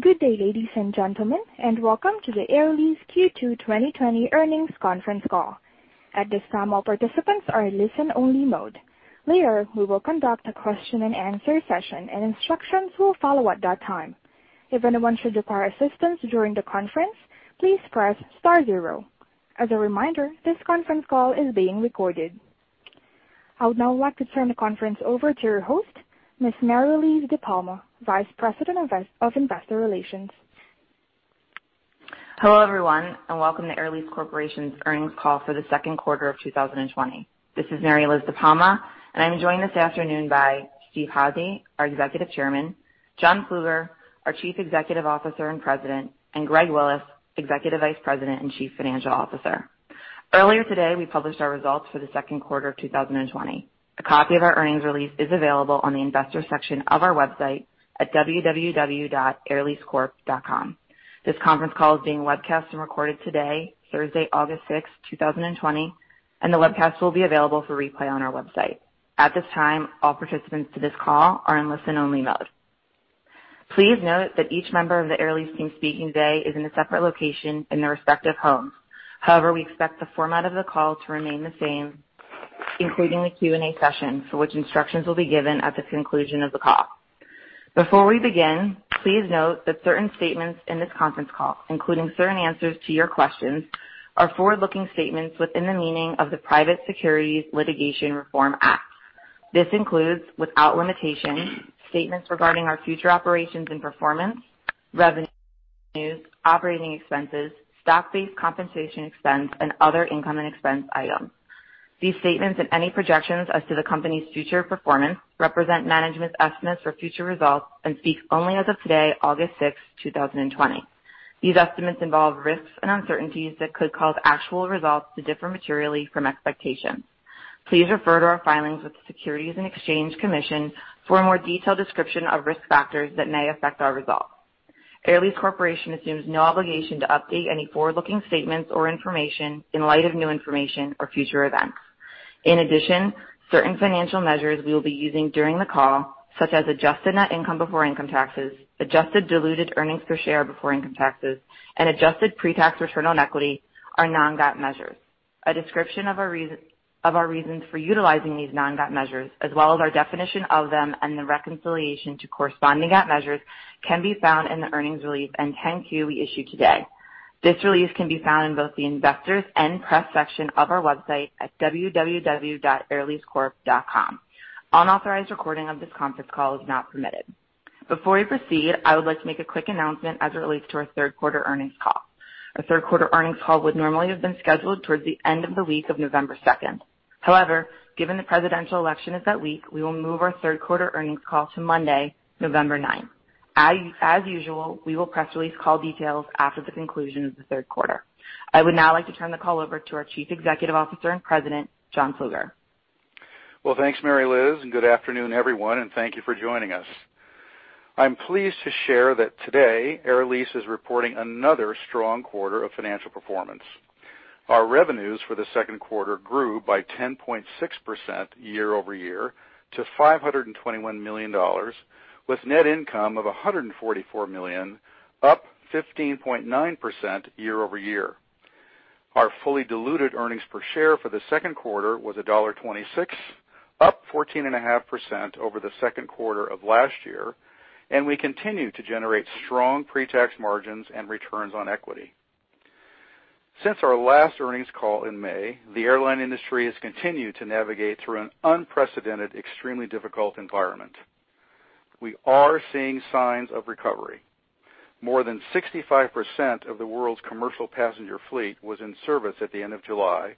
Good day, ladies and gentlemen, and welcome to the Air Lease Q2 2020 earnings conference call. At this time, all participants are in listen-only mode. Later, we will conduct a question-and-answer session, and instructions will follow at that time. If anyone should require assistance during the conference, please press star zero. As a reminder, this conference call is being recorded. I would now like to turn the conference over to your host, Ms. Mary Liz DePalma, Vice President of Investor Relations. Hello, everyone, and welcome to Air Lease Corporation's earnings call for the second quarter of 2020. This is Mary Liz DePalma, and I'm joined this afternoon by Steve Hazy, our Executive Chairman, John Plueger, our Chief Executive Officer and President, and Greg Willis, Executive Vice President and Chief Financial Officer. Earlier today, we published our results for the second quarter of 2020. A copy of our earnings release is available on the Investor section of our website at www.airleasecorp.com. This conference call is being webcast and recorded today, Thursday, August 6th, 2020, and the webcast will be available for replay on our website. At this time, all participants to this call are in listen-only mode. Please note that each member of the Air Lease team speaking today is in a separate location in their respective homes. However, we expect the format of the call to remain the same, including the Q&A session, for which instructions will be given at the conclusion of the call. Before we begin, please note that certain statements in this conference call, including certain answers to your questions, are forward-looking statements within the meaning of the Private Securities Litigation Reform Act. This includes, without limitation, statements regarding our future operations and performance, revenues, operating expenses, stock-based compensation expense, and other income and expense items. These statements and any projections as to the company's future performance represent management's estimates for future results and speak only as of today, August 6th, 2020. These estimates involve risks and uncertainties that could cause actual results to differ materially from expectations. Please refer to our filings with the Securities and Exchange Commission for a more detailed description of risk factors that may affect our results. Air Lease Corporation assumes no obligation to update any forward-looking statements or information in light of new information or future events. In addition, certain financial measures we will be using during the call, such as adjusted net income before income taxes, adjusted diluted earnings per share before income taxes, and adjusted pre-tax return on equity, are non-GAAP measures. A description of our reasons for utilizing these non-GAAP measures, as well as our definition of them and the reconciliation to corresponding GAAP measures, can be found in the earnings release and 10-Q we issued today. This release can be found in both the Investors and Press section of our website at www.airleasecorp.com. Unauthorized recording of this conference call is not permitted. Before we proceed, I would like to make a quick announcement as it relates to our third quarter earnings call. Our third quarter earnings call would normally have been scheduled towards the end of the week of November 2nd. However, given the presidential election is that week, we will move our third quarter earnings call to Monday, November 9th. As usual, we will press release call details after the conclusion of the third quarter. I would now like to turn the call over to our Chief Executive Officer and President, John Plueger. Well, thanks, Mary Liz, and good afternoon, everyone, and thank you for joining us. I'm pleased to share that today, Air Lease is reporting another strong quarter of financial performance. Our revenues for the second quarter grew by 10.6% year-over-year to $521 million, with net income of $144 million, up 15.9% year-over-year. Our fully diluted earnings per share for the second quarter was $1.26, up 14.5% over the second quarter of last year, and we continue to generate strong pre-tax margins and returns on equity. Since our last earnings call in May, the airline industry has continued to navigate through an unprecedented, extremely difficult environment. We are seeing signs of recovery. More than 65% of the world's commercial passenger fleet was in service at the end of July,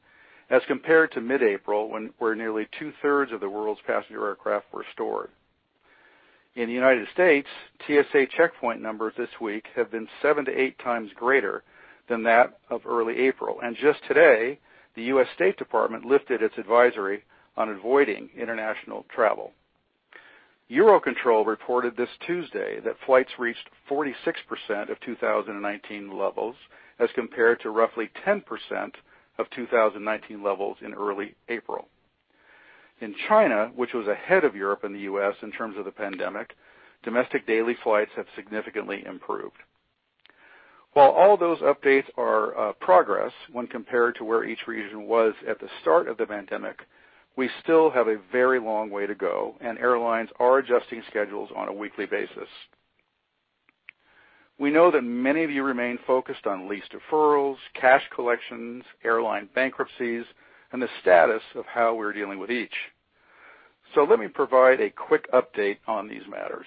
as compared to mid-April, where nearly 2/3 of the world's passenger aircraft were stored. In the United States, TSA checkpoint numbers this week have been seven to eight times greater than that of early April, and just today, the U.S. Department of State lifted its advisory on avoiding international travel. Eurocontrol reported this Tuesday that flights reached 46% of 2019 levels, as compared to roughly 10% of 2019 levels in early April. In China, which was ahead of Europe and the U.S. in terms of the pandemic, domestic daily flights have significantly improved. While all those updates are progress when compared to where each region was at the start of the pandemic, we still have a very long way to go, and airlines are adjusting schedules on a weekly basis. We know that many of you remain focused on lease deferrals, cash collections, airline bankruptcies, and the status of how we're dealing with each, so let me provide a quick update on these matters.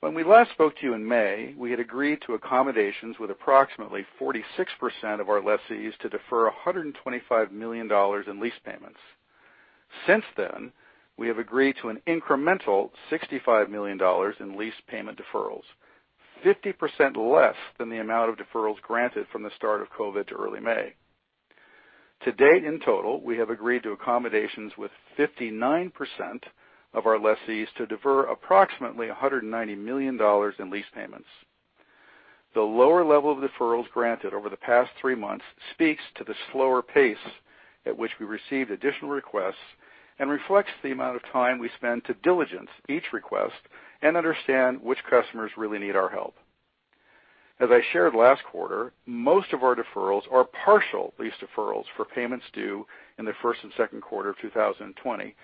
When we last spoke to you in May, we had agreed to accommodations with approximately 46% of our lessees to defer $125 million in lease payments. Since then, we have agreed to an incremental $65 million in lease payment deferrals, 50% less than the amount of deferrals granted from the start of COVID to early May. To date, in total, we have agreed to accommodations with 59% of our lessees to defer approximately $190 million in lease payments. The lower level of deferrals granted over the past three months speaks to the slower pace at which we received additional requests and reflects the amount of time we spend to diligence each request and understand which customers really need our help. As I shared last quarter, most of our deferrals are partial lease deferrals for payments due in the first and second quarter of 2020,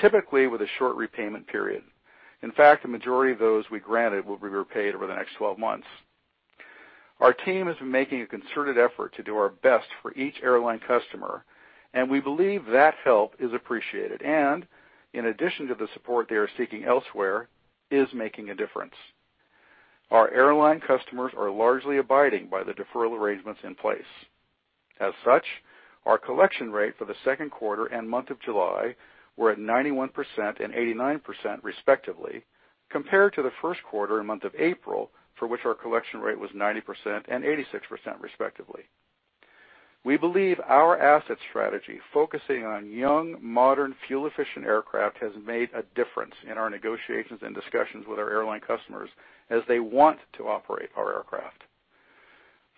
typically with a short repayment period. In fact, the majority of those we granted will be repaid over the next 12 months. Our team has been making a concerted effort to do our best for each airline customer, and we believe that help is appreciated and, in addition to the support they are seeking elsewhere, is making a difference. Our airline customers are largely abiding by the deferral arrangements in place. As such, our collection rate for the second quarter and month of July were at 91% and 89%, respectively, compared to the first quarter and month of April, for which our collection rate was 90% and 86%, respectively. We believe our asset strategy, focusing on young, modern, fuel-efficient aircraft, has made a difference in our negotiations and discussions with our airline customers as they want to operate our aircraft.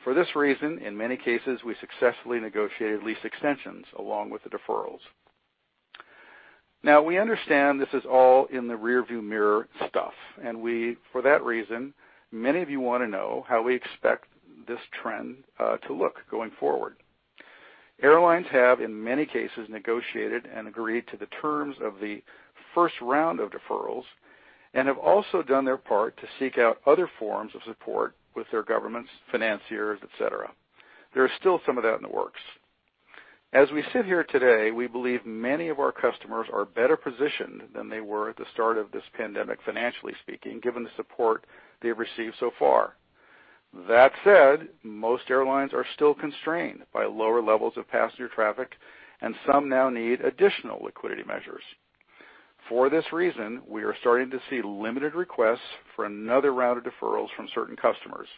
For this reason, in many cases, we successfully negotiated lease extensions along with the deferrals. Now, we understand this is all in the rearview mirror stuff, and we, for that reason, many of you want to know how we expect this trend to look going forward. Airlines have, in many cases, negotiated and agreed to the terms of the first round of deferrals and have also done their part to seek out other forms of support with their governments, financiers, etc. There is still some of that in the works. As we sit here today, we believe many of our customers are better positioned than they were at the start of this pandemic, financially speaking, given the support they've received so far. That said, most airlines are still constrained by lower levels of passenger traffic, and some now need additional liquidity measures. For this reason, we are starting to see limited requests for another round of deferrals from certain customers.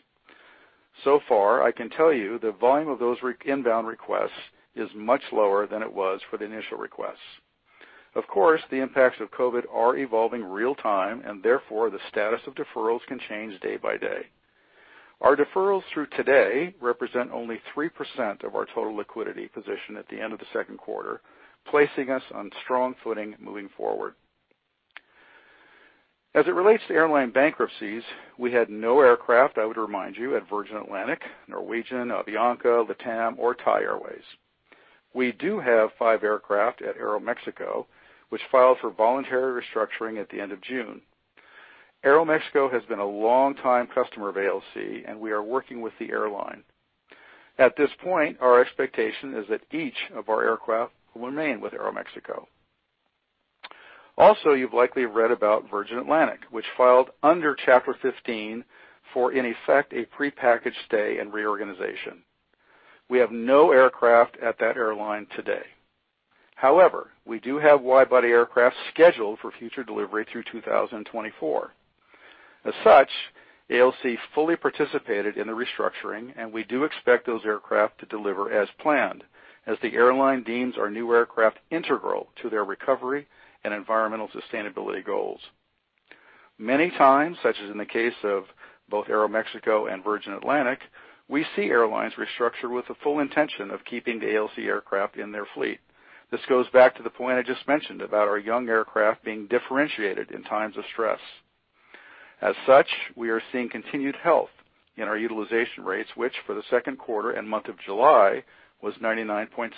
So far, I can tell you the volume of those inbound requests is much lower than it was for the initial requests. Of course, the impacts of COVID are evolving real-time, and therefore, the status of deferrals can change day by day. Our deferrals through today represent only 3% of our total liquidity position at the end of the second quarter, placing us on strong footing moving forward. As it relates to airline bankruptcies, we had no aircraft, I would remind you, at Virgin Atlantic, Norwegian, Avianca, LATAM, or Thai Airways. We do have five aircraft at Aeromexico, which filed for voluntary restructuring at the end of June. Aeromexico has been a long-time customer of ALC, and we are working with the airline. At this point, our expectation is that each of our aircraft will remain with Aeromexico. Also, you've likely read about Virgin Atlantic, which filed under Chapter 15 for, in effect, a prepackaged stay and reorganization. We have no aircraft at that airline today. However, we do have wide-body aircraft scheduled for future delivery through 2024. As such, ALC fully participated in the restructuring, and we do expect those aircraft to deliver as planned, as the airline deems our new aircraft integral to their recovery and environmental sustainability goals. Many times, such as in the case of both Aeromexico and Virgin Atlantic, we see airlines restructure with the full intention of keeping the ALC aircraft in their fleet. This goes back to the point I just mentioned about our young aircraft being differentiated in times of stress. As such, we are seeing continued health in our utilization rates, which for the second quarter and month of July was 99.6%.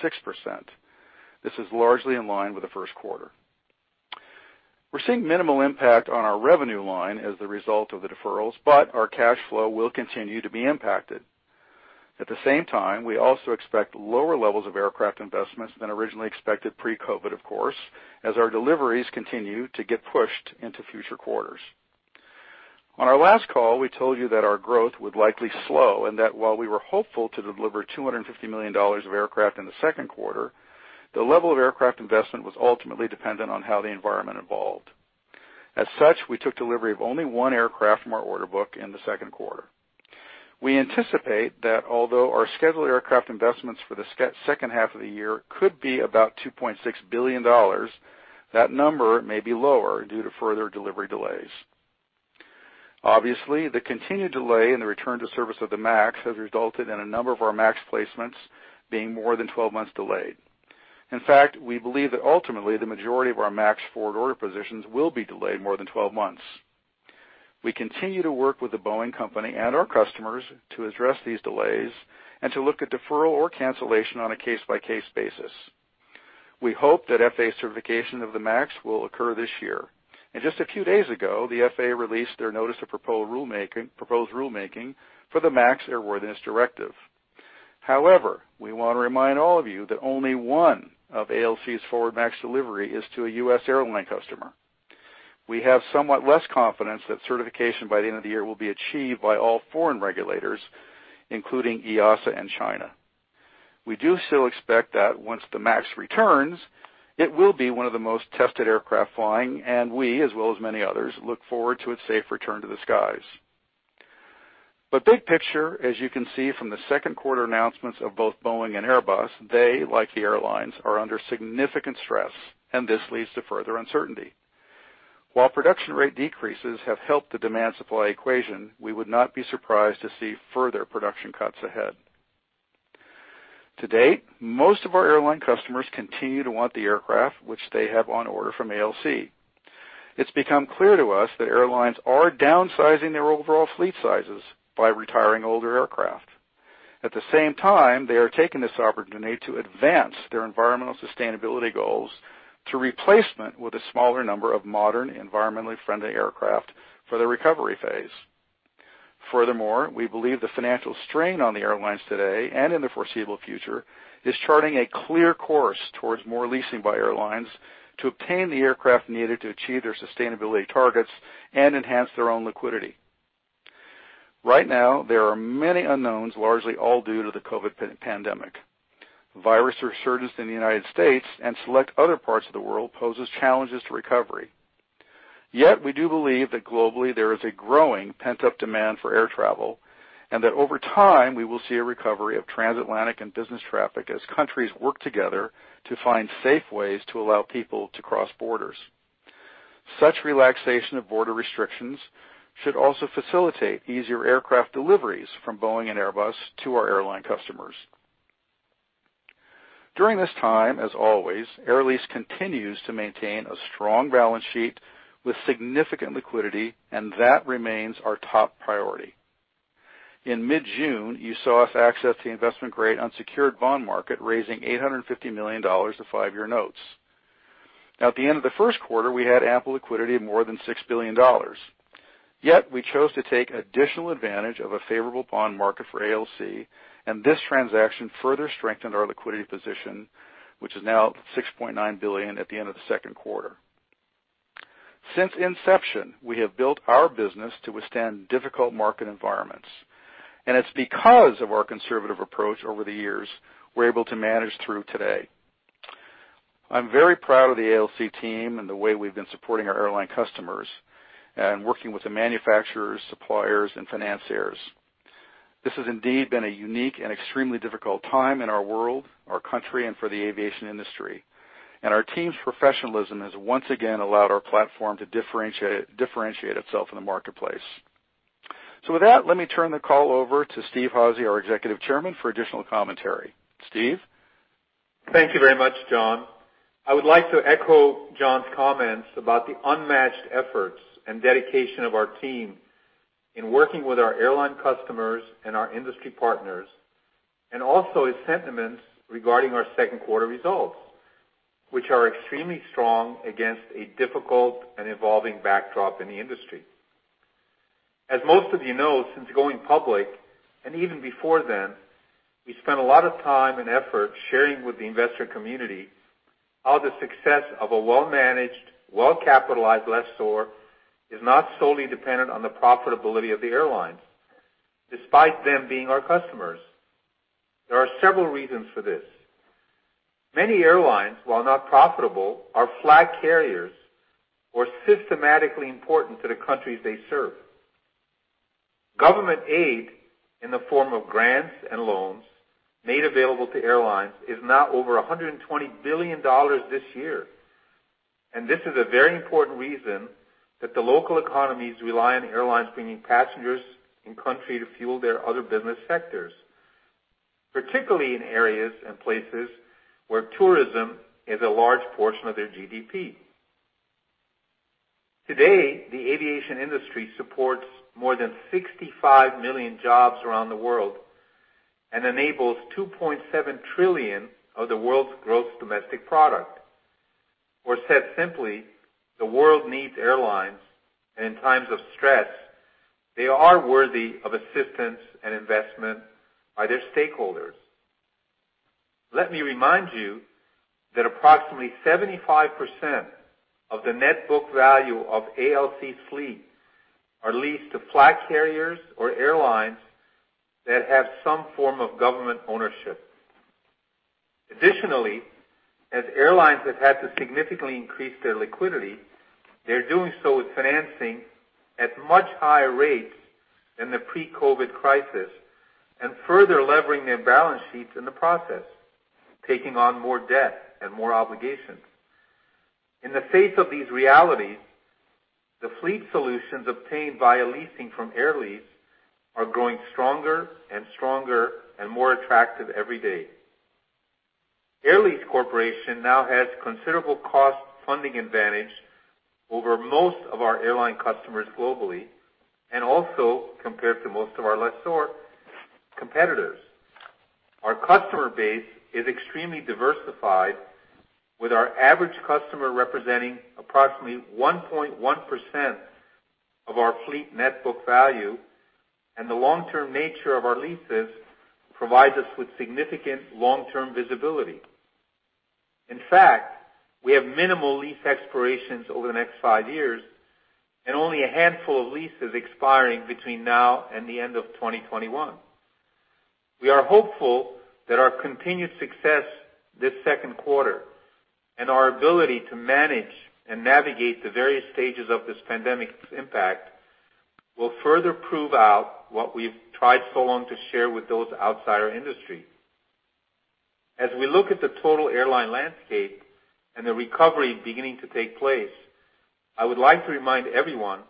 This is largely in line with the first quarter. We're seeing minimal impact on our revenue line as the result of the deferrals, but our cash flow will continue to be impacted. At the same time, we also expect lower levels of aircraft investments than originally expected pre-COVID, of course, as our deliveries continue to get pushed into future quarters. On our last call, we told you that our growth would likely slow and that while we were hopeful to deliver $250 million of aircraft in the second quarter, the level of aircraft investment was ultimately dependent on how the environment evolved. As such, we took delivery of only one aircraft from our order book in the second quarter. We anticipate that although our scheduled aircraft investments for the second half of the year could be about $2.6 billion, that number may be lower due to further delivery delays. Obviously, the continued delay in the return to service of the MAX has resulted in a number of our MAX placements being more than 12 months delayed. In fact, we believe that ultimately the majority of our MAX forward-order positions will be delayed more than 12 months. We continue to work with The Boeing Company and our customers to address these delays and to look at deferral or cancellation on a case-by-case basis. We hope that FAA certification of the MAX will occur this year, and just a few days ago, the FAA released their notice of proposed rulemaking for the MAX airworthiness directive. However, we want to remind all of you that only one of ALC's forward MAX delivery is to a U.S. airline customer. We have somewhat less confidence that certification by the end of the year will be achieved by all foreign regulators, including EASA and China. We do still expect that once the MAX returns, it will be one of the most tested aircraft flying, and we, as well as many others, look forward to its safe return to the skies. But big picture, as you can see from the second quarter announcements of both Boeing and Airbus, they, like the airlines, are under significant stress, and this leads to further uncertainty. While production rate decreases have helped the demand-supply equation, we would not be surprised to see further production cuts ahead. To date, most of our airline customers continue to want the aircraft which they have on order from ALC. It's become clear to us that airlines are downsizing their overall fleet sizes by retiring older aircraft. At the same time, they are taking this opportunity to advance their environmental sustainability goals to replacement with a smaller number of modern, environmentally friendly aircraft for the recovery phase. Furthermore, we believe the financial strain on the airlines today and in the foreseeable future is charting a clear course towards more leasing by airlines to obtain the aircraft needed to achieve their sustainability targets and enhance their own liquidity. Right now, there are many unknowns, largely all due to the COVID pandemic. Virus resurgence in the United States and select other parts of the world poses challenges to recovery. Yet, we do believe that globally there is a growing pent-up demand for air travel and that over time we will see a recovery of transatlantic and business traffic as countries work together to find safe ways to allow people to cross borders. Such relaxation of border restrictions should also facilitate easier aircraft deliveries from Boeing and Airbus to our airline customers. During this time, as always, Air Lease continues to maintain a strong balance sheet with significant liquidity, and that remains our top priority. In mid-June, you saw us access the investment grade unsecured bond market, raising $850 million to five-year notes. At the end of the first quarter, we had ample liquidity of more than $6 billion. Yet, we chose to take additional advantage of a favorable bond market for ALC, and this transaction further strengthened our liquidity position, which is now $6.9 billion at the end of the second quarter. Since inception, we have built our business to withstand difficult market environments, and it's because of our conservative approach over the years we're able to manage through today. I'm very proud of the ALC team and the way we've been supporting our airline customers and working with the manufacturers, suppliers, and financiers. This has indeed been a unique and extremely difficult time in our world, our country, and for the aviation industry. And our team's professionalism has once again allowed our platform to differentiate itself in the marketplace. So with that, let me turn the call over to Steve Hazy, our Executive Chairman, for additional commentary. Steve? Thank you very much, John. I would like to echo John's comments about the unmatched efforts and dedication of our team in working with our airline customers and our industry partners, and also his sentiments regarding our second quarter results, which are extremely strong against a difficult and evolving backdrop in the industry. As most of you know, since going public, and even before then, we spent a lot of time and effort sharing with the investor community how the success of a well-managed, well-capitalized lessor is not solely dependent on the profitability of the airlines, despite them being our customers. There are several reasons for this. Many airlines, while not profitable, are flag carriers or systemically important to the countries they serve. Government aid in the form of grants and loans made available to airlines is now over $120 billion this year, and this is a very important reason that the local economies rely on airlines bringing passengers in country to fuel their other business sectors, particularly in areas and places where tourism is a large portion of their GDP. Today, the aviation industry supports more than 65 million jobs around the world and enables 2.7 trillion of the world's gross domestic product. Or said simply, the world needs airlines, and in times of stress, they are worthy of assistance and investment by their stakeholders. Let me remind you that approximately 75% of the net book value of ALC fleet are leased to flag carriers or airlines that have some form of government ownership. Additionally, as airlines have had to significantly increase their liquidity, they're doing so with financing at much higher rates than the pre-COVID crisis and further levering their balance sheets in the process, taking on more debt and more obligations. In the face of these realities, the fleet solutions obtained via leasing from Air Lease are growing stronger and stronger and more attractive every day. Air Lease Corporation now has considerable cost funding advantage over most of our airline customers globally and also compared to most of our lessor competitors. Our customer base is extremely diversified, with our average customer representing approximately 1.1% of our fleet net book value, and the long-term nature of our leases provides us with significant long-term visibility. In fact, we have minimal lease expirations over the next five years and only a handful of leases expiring between now and the end of 2021. We are hopeful that our continued success this second quarter and our ability to manage and navigate the various stages of this pandemic's impact will further prove out what we've tried so long to share with those outside our industry. As we look at the total airline landscape and the recovery beginning to take place, I would like to remind everyone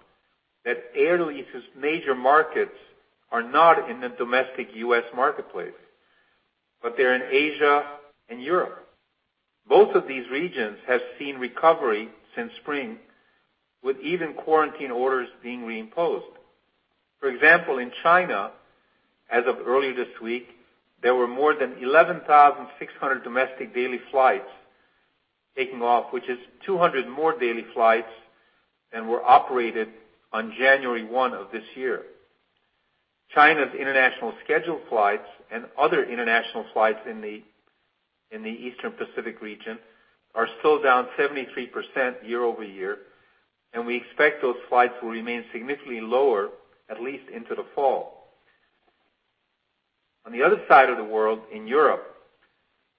that Air Lease's major markets are not in the domestic U.S. marketplace, but they're in Asia and Europe. Both of these regions have seen recovery since spring, with even quarantine orders being reimposed. For example, in China, as of earlier this week, there were more than 11,600 domestic daily flights taking off, which is 200 more daily flights than were operated on January 1 of this year. China's international scheduled flights and other international flights in the Eastern Pacific region are still down 73% year-over-year, and we expect those flights will remain significantly lower, at least into the fall. On the other side of the world, in Europe,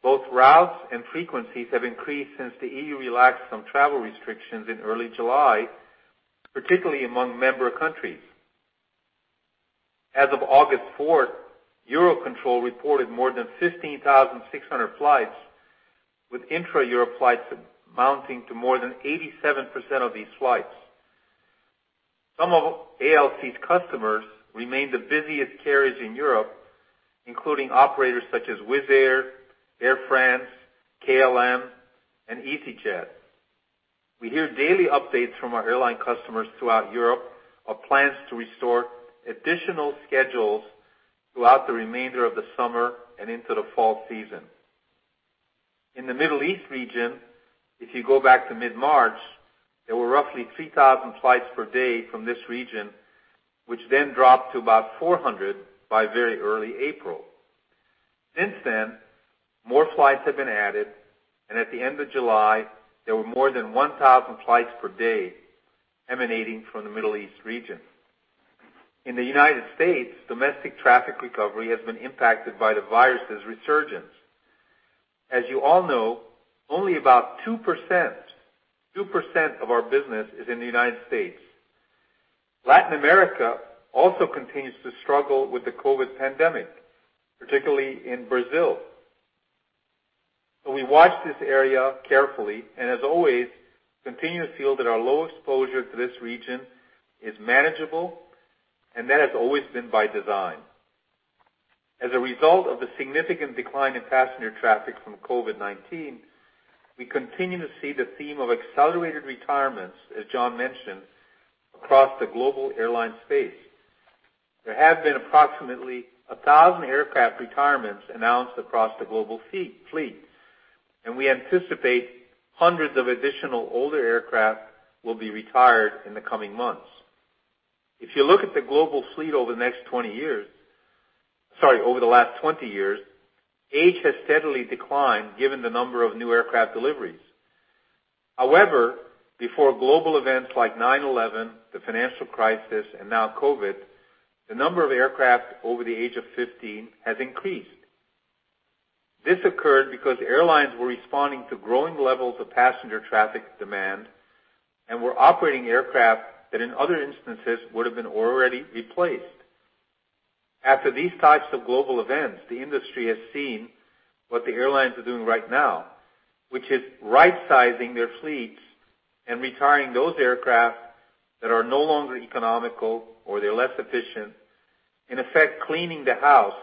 both routes and frequencies have increased since the EU relaxed some travel restrictions in early July, particularly among member countries. As of August 4, Eurocontrol reported more than 15,600 flights, with intra-Europe flights amounting to more than 87% of these flights. Some of ALC's customers remain the busiest carriers in Europe, including operators such as Wizz Air, Air France, KLM, and easyJet. We hear daily updates from our airline customers throughout Europe of plans to restore additional schedules throughout the remainder of the summer and into the fall season. In the Middle East region, if you go back to mid-March, there were roughly 3,000 flights per day from this region, which then dropped to about 400 by very early April. Since then, more flights have been added, and at the end of July, there were more than 1,000 flights per day emanating from the Middle East region. In the United States, domestic traffic recovery has been impacted by the virus's resurgence. As you all know, only about 2% of our business is in the United States. Latin America also continues to struggle with the COVID pandemic, particularly in Brazil. So we watch this area carefully and, as always, continue to feel that our low exposure to this region is manageable, and that has always been by design. As a result of the significant decline in passenger traffic from COVID-19, we continue to see the theme of accelerated retirements, as John mentioned, across the global airline space. There have been approximately 1,000 aircraft retirements announced across the global fleet, and we anticipate hundreds of additional older aircraft will be retired in the coming months. If you look at the global fleet over the next 20 years - sorry, over the last 20 years - age has steadily declined given the number of new aircraft deliveries. However, before global events like 9/11, the financial crisis, and now COVID, the number of aircraft over the age of 15 has increased. This occurred because airlines were responding to growing levels of passenger traffic demand and were operating aircraft that, in other instances, would have been already replaced. After these types of global events, the industry has seen what the airlines are doing right now, which is rightsizing their fleets and retiring those aircraft that are no longer economical or they're less efficient, in effect, cleaning the house,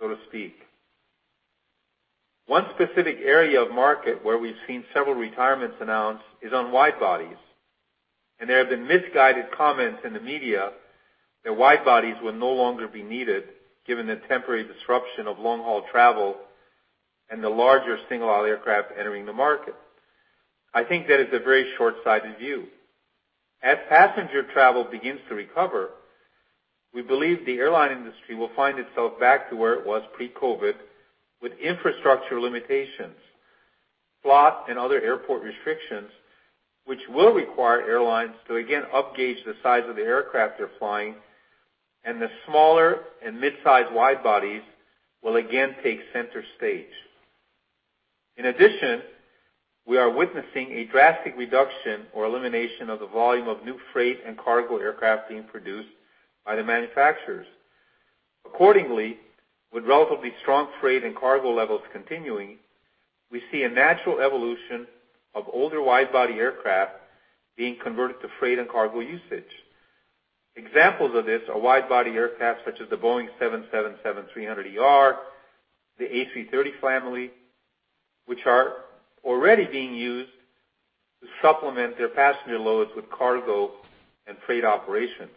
so to speak. One specific area of market where we've seen several retirements announced is on widebodies, and there have been misguided comments in the media that widebodies will no longer be needed given the temporary disruption of long-haul travel and the larger single-aisle aircraft entering the market. I think that is a very short-sighted view. As passenger travel begins to recover, we believe the airline industry will find itself back to where it was pre-COVID, with infrastructure limitations, flight, and other airport restrictions, which will require airlines to again upgauge the size of the aircraft they're flying, and the smaller and mid-size widebodies will again take center stage. In addition, we are witnessing a drastic reduction or elimination of the volume of new freight and cargo aircraft being produced by the manufacturers. Accordingly, with relatively strong freight and cargo levels continuing, we see a natural evolution of older widebody aircraft being converted to freight and cargo usage. Examples of this are widebody aircraft such as the Boeing 777-300ER, the A330 family, which are already being used to supplement their passenger loads with cargo and freight operations.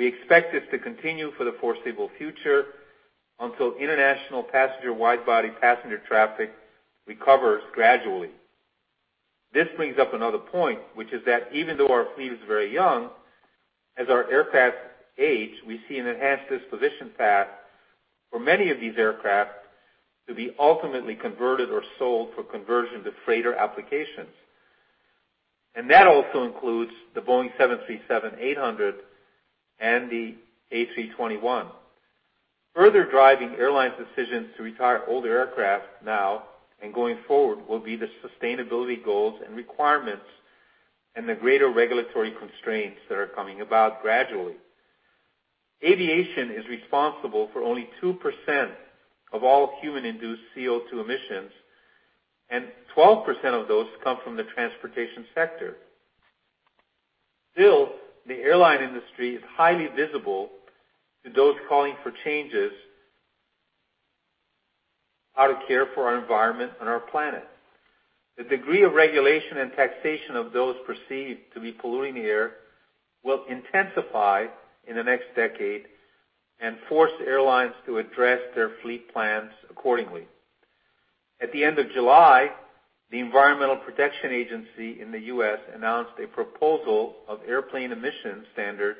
We expect this to continue for the foreseeable future until international passenger widebody passenger traffic recovers gradually. This brings up another point, which is that even though our fleet is very young, as our aircraft age, we see an enhanced disposition path for many of these aircraft to be ultimately converted or sold for conversion to freighter applications, and that also includes the Boeing 737-800 and the A321. Further driving airlines' decisions to retire older aircraft now and going forward will be the sustainability goals and requirements and the greater regulatory constraints that are coming about gradually. Aviation is responsible for only 2% of all human-induced CO2 emissions, and 12% of those come from the transportation sector. Still, the airline industry is highly visible to those calling for changes out of care for our environment and our planet. The degree of regulation and taxation of those perceived to be polluting the air will intensify in the next decade and force airlines to address their fleet plans accordingly. At the end of July, the Environmental Protection Agency in the U.S. announced a proposal of airplane emission standards,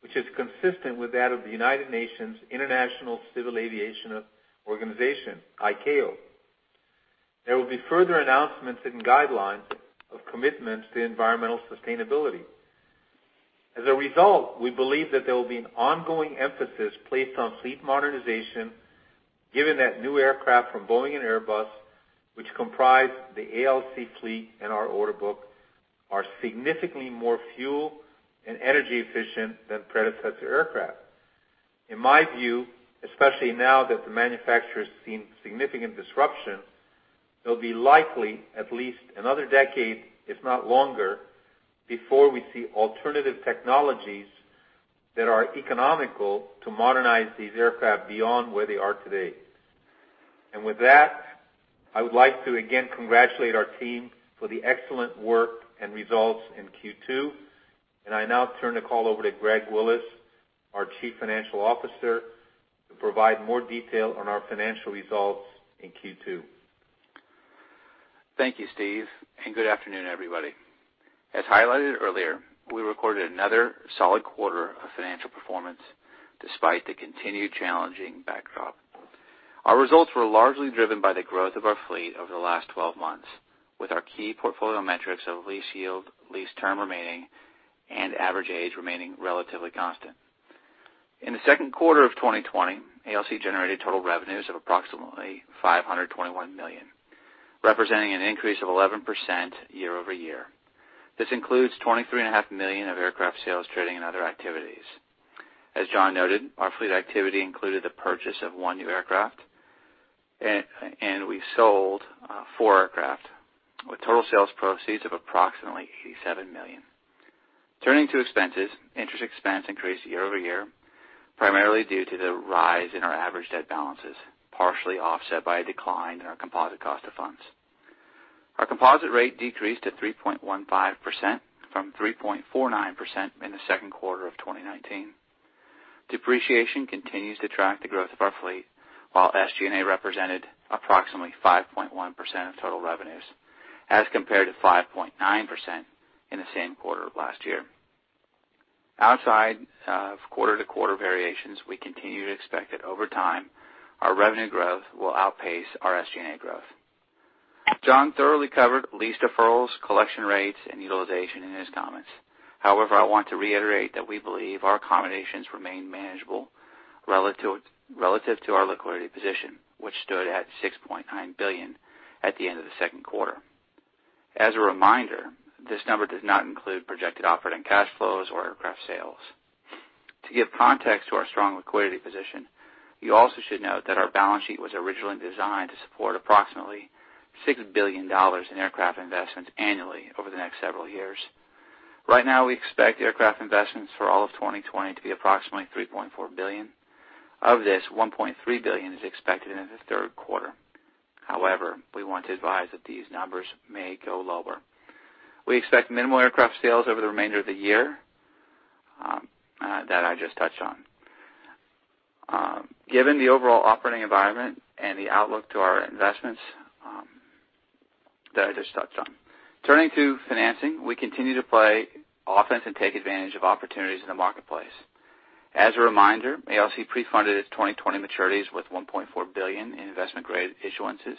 which is consistent with that of the United Nations International Civil Aviation Organization, ICAO. There will be further announcements and guidelines of commitments to environmental sustainability. As a result, we believe that there will be an ongoing emphasis placed on fleet modernization, given that new aircraft from Boeing and Airbus, which comprise the ALC fleet in our order book, are significantly more fuel and energy efficient than predecessor aircraft. In my view, especially now that the manufacturers have seen significant disruption, it'll be likely at least another decade, if not longer, before we see alternative technologies that are economical to modernize these aircraft beyond where they are today, and with that, I would like to again congratulate our team for the excellent work and results in Q2, and I now turn the call over to Greg Willis, our Chief Financial Officer, to provide more detail on our financial results in Q2. Thank you, Steve, and good afternoon, everybody. As highlighted earlier, we recorded another solid quarter of financial performance despite the continued challenging backdrop. Our results were largely driven by the growth of our fleet over the last 12 months, with our key portfolio metrics of lease yield, lease term remaining, and average age remaining relatively constant. In the second quarter of 2020, ALC generated total revenues of approximately $521 million, representing an increase of 11% year-over-year. This includes $23.5 million of aircraft sales, trading, and other activities. As John noted, our fleet activity included the purchase of one new aircraft, and we sold four aircraft, with total sales proceeds of approximately $87 million. Turning to expenses, interest expense increased year-over-year, primarily due to the rise in our average debt balances, partially offset by a decline in our composite cost of funds. Our composite rate decreased to 3.15% from 3.49% in the second quarter of 2019. Depreciation continues to track the growth of our fleet, while SG&A represented approximately 5.1% of total revenues, as compared to 5.9% in the same quarter of last year. Outside of quarter-to-quarter variations, we continue to expect that over time, our revenue growth will outpace our SG&A growth. John thoroughly covered lease deferrals, collection rates, and utilization in his comments. However, I want to reiterate that we believe our accommodations remain manageable relative to our liquidity position, which stood at $6.9 billion at the end of the second quarter. As a reminder, this number does not include projected operating cash flows or aircraft sales. To give context to our strong liquidity position, you also should note that our balance sheet was originally designed to support approximately $6 billion in aircraft investments annually over the next several years. Right now, we expect aircraft investments for all of 2020 to be approximately $3.4 billion. Of this, $1.3 billion is expected in the third quarter. However, we want to advise that these numbers may go lower. We expect minimal aircraft sales over the remainder of the year that I just touched on, given the overall operating environment and the outlook to our investments that I just touched on. Turning to financing, we continue to play offense and take advantage of opportunities in the marketplace. As a reminder, ALC pre-funded its 2020 maturities with $1.4 billion in investment-grade issuances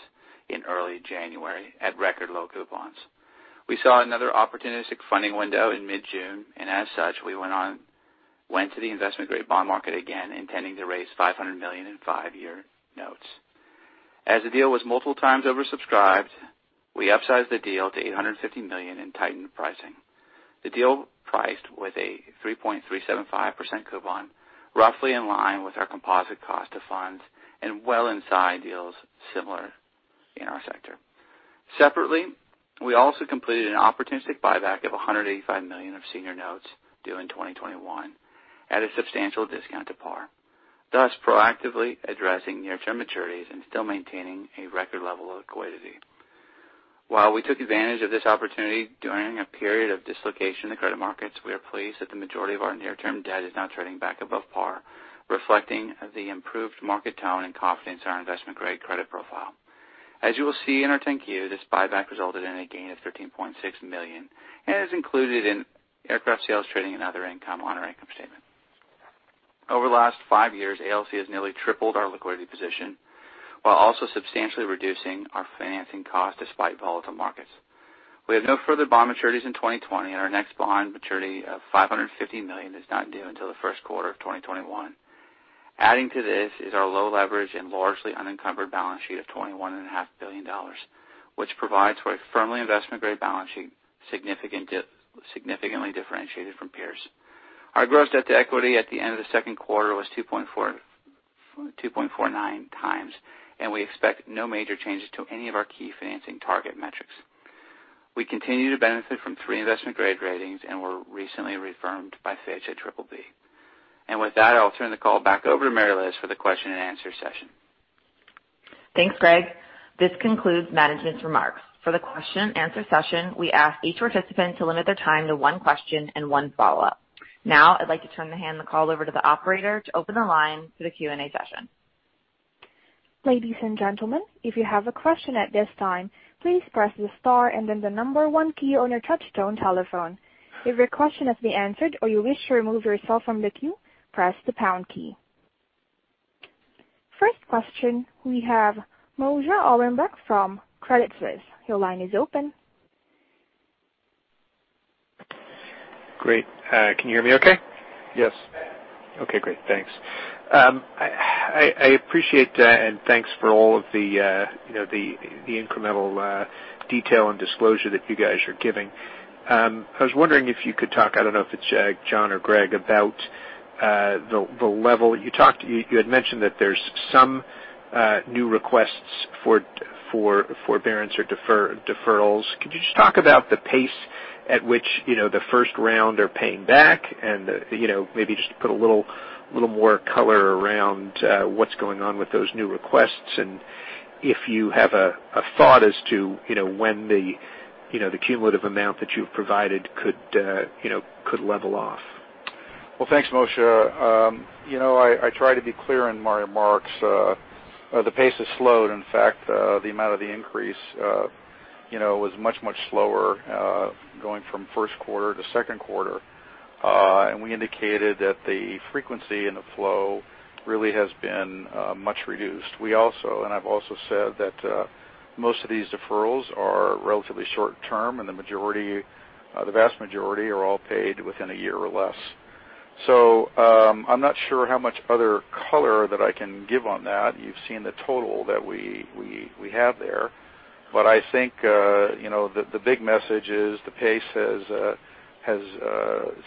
in early January at record low coupons. We saw another opportunistic funding window in mid-June, and as such, we went to the investment-grade bond market again, intending to raise $500 million in five-year notes. As the deal was multiple times oversubscribed, we upsized the deal to $850 million and tightened pricing. The deal priced with a 3.375% coupon, roughly in line with our composite cost of funds and well inside deals similar in our sector. Separately, we also completed an opportunistic buyback of $185 million of senior notes due in 2021 at a substantial discount to par, thus proactively addressing near-term maturities and still maintaining a record level of liquidity. While we took advantage of this opportunity during a period of dislocation in the credit markets, we are pleased that the majority of our near-term debt is now trading back above par, reflecting the improved market tone and confidence in our investment-grade credit profile. As you will see in our 10-Q, this buyback resulted in a gain of $13.6 million and is included in aircraft sales, trading, and other income on our income statement. Over the last five years, ALC has nearly tripled our liquidity position while also substantially reducing our financing costs despite volatile markets. We have no further bond maturities in 2020, and our next bond maturity of $550 million is not due until the first quarter of 2021. Adding to this is our low-leverage and largely unencumbered balance sheet of $21.5 billion, which provides for a firmly investment-grade balance sheet significantly differentiated from peers. Our gross debt to equity at the end of the second quarter was 2.49 times, and we expect no major changes to any of our key financing target metrics. We continue to benefit from three investment-grade ratings and were recently reaffirmed by S&P, Fitch, and Moody's. And with that, I'll turn the call back over to Mary Liz for the question-and-answer session. Thanks, Greg. This concludes management's remarks. For the question-and-answer session, we ask each participant to limit their time to one question and one follow-up. Now, I'd like to hand the call over to the operator to open the line for the Q&A session. Ladies and gentlemen, if you have a question at this time, please press the star and then the number one key on your touch-tone telephone. If your question has been answered or you wish to remove yourself from the queue, press the pound key. First question, we have Moshe Orenbuch from Credit Suisse. Your line is open. Great. Can you hear me okay? Yes. Okay, great. Thanks. I appreciate that, and thanks for all of the incremental detail and disclosure that you guys are giving. I was wondering if you could talk—I don't know if it's John or Greg—about the level that you talked. You had mentioned that there's some new requests for forbearance or deferrals. Could you just talk about the pace at which the first round are paying back and maybe just put a little more color around what's going on with those new requests and if you have a thought as to when the cumulative amount that you've provided could level off? Well, thanks, Moshe. I try to be clear in my remarks. The pace has slowed. In fact, the amount of the increase was much, much slower going from first quarter to second quarter, and we indicated that the frequency and the flow really has been much reduced. And I've also said that most of these deferrals are relatively short-term, and the vast majority are all paid within a year or less. So I'm not sure how much other color that I can give on that. You've seen the total that we have there, but I think the big message is the pace has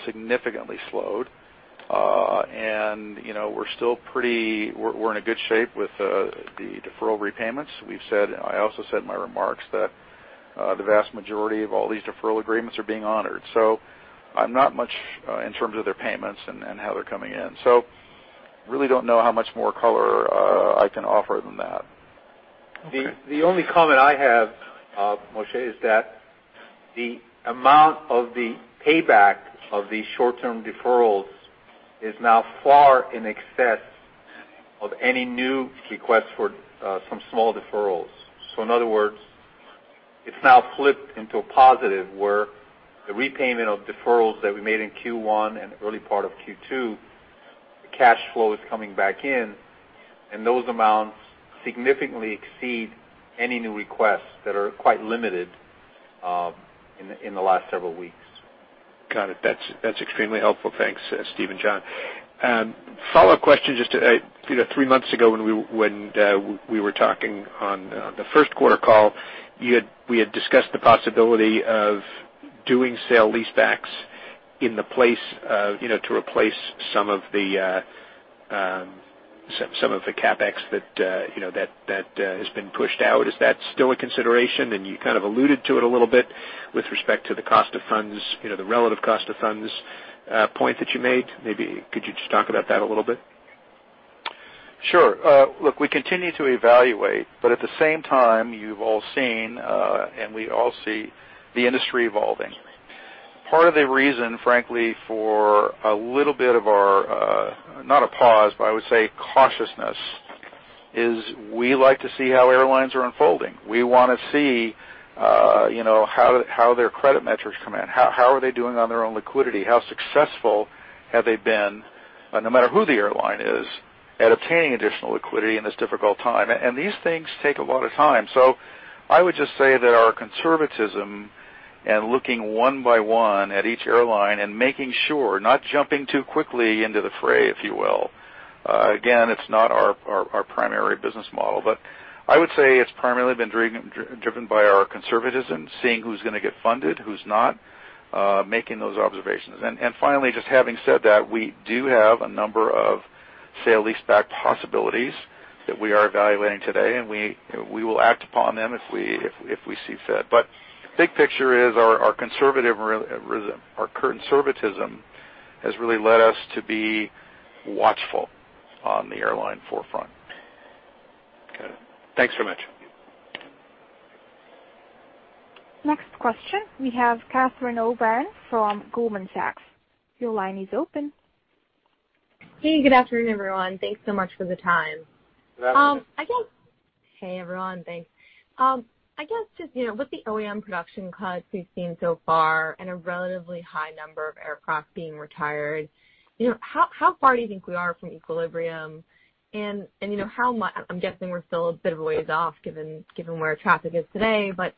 significantly slowed, and we're still in pretty good shape with the deferral repayments. I also said in my remarks that the vast majority of all these deferral agreements are being honored. So I'm not much in terms of their payments and how they're coming in. So I really don't know how much more color I can offer than that. The only comment I have, Moshe, is that the amount of the payback of these short-term deferrals is now far in excess of any new requests for some small deferrals. So in other words, it's now flipped into a positive where the repayment of deferrals that we made in Q1 and early part of Q2, the cash flow is coming back in, and those amounts significantly exceed any new requests that are quite limited in the last several weeks. Got it. That's extremely helpful. Thanks, Steve and John. Follow-up question. Just three months ago, when we were talking on the first quarter call, we had discussed the possibility of doing sale-leasebacks in place to replace some of the CapEx that has been pushed out. Is that still a consideration? And you kind of alluded to it a little bit with respect to the cost of funds, the relative cost of funds point that you made. Maybe could you just talk about that a little bit? Sure. Look, we continue to evaluate, but at the same time, you've all seen, and we all see the industry evolving. Part of the reason, frankly, for a little bit of our, not a pause, but I would say cautiousness, is we like to see how airlines are unfolding. We want to see how their credit metrics come in. How are they doing on their own liquidity? How successful have they been, no matter who the airline is, at obtaining additional liquidity in this difficult time? And these things take a lot of time. I would just say that our conservatism and looking one by one at each airline and making sure, not jumping too quickly into the fray, if you will, again, it's not our primary business model, but I would say it's primarily been driven by our conservatism, seeing who's going to get funded, who's not, making those observations. And finally, just having said that, we do have a number of sale-leaseback possibilities that we are evaluating today, and we will act upon them if we see fit. But the big picture is our conservatism has really led us to be watchful on the airline forefront. Got it. Thanks very much. Next question. We have Catherine O'Brien from Goldman Sachs. Your line is open. Hey, good afternoon, everyone. Thanks so much for the time. Good afternoon. Hey, everyone. Thanks. I guess just with the OEM production cuts we've seen so far and a relatively high number of aircraft being retired, how far do you think we are from equilibrium? And I'm guessing we're still a bit of a ways off given where traffic is today, but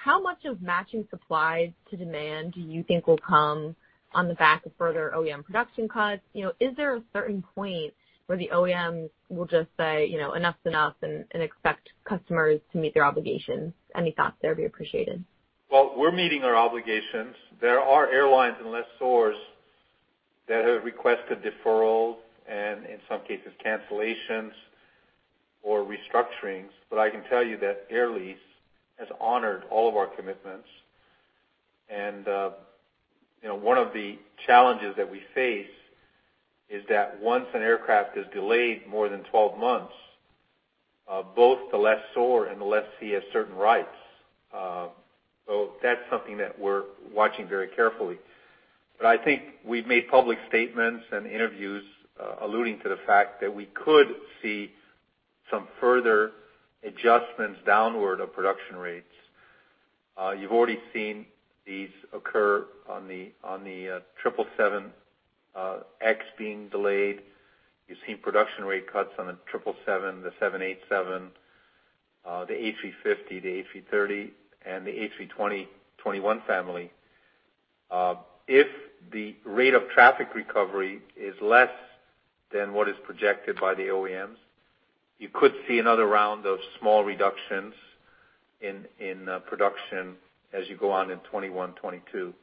how much of matching supply to demand do you think will come on the back of further OEM production cuts? Is there a certain point where the OEMs will just say, "Enough's enough," and expect customers to meet their obligations? Any thoughts there would be appreciated? We're meeting our obligations. There are airlines and lessors that have requested deferrals and, in some cases, cancellations or restructurings, but I can tell you that Air Lease has honored all of our commitments. One of the challenges that we face is that once an aircraft is delayed more than 12 months, both the lessor and the lessee have certain rights. So that's something that we're watching very carefully. But I think we've made public statements and interviews alluding to the fact that we could see some further adjustments downward of production rates. You've already seen these occur on the 777X being delayed. You've seen production rate cuts on the 777, the 787, the A350, the A330, and the A320/A321 family. If the rate of traffic recovery is less than what is projected by the OEMs, you could see another round of small reductions in production as you go on in 2021, 2022.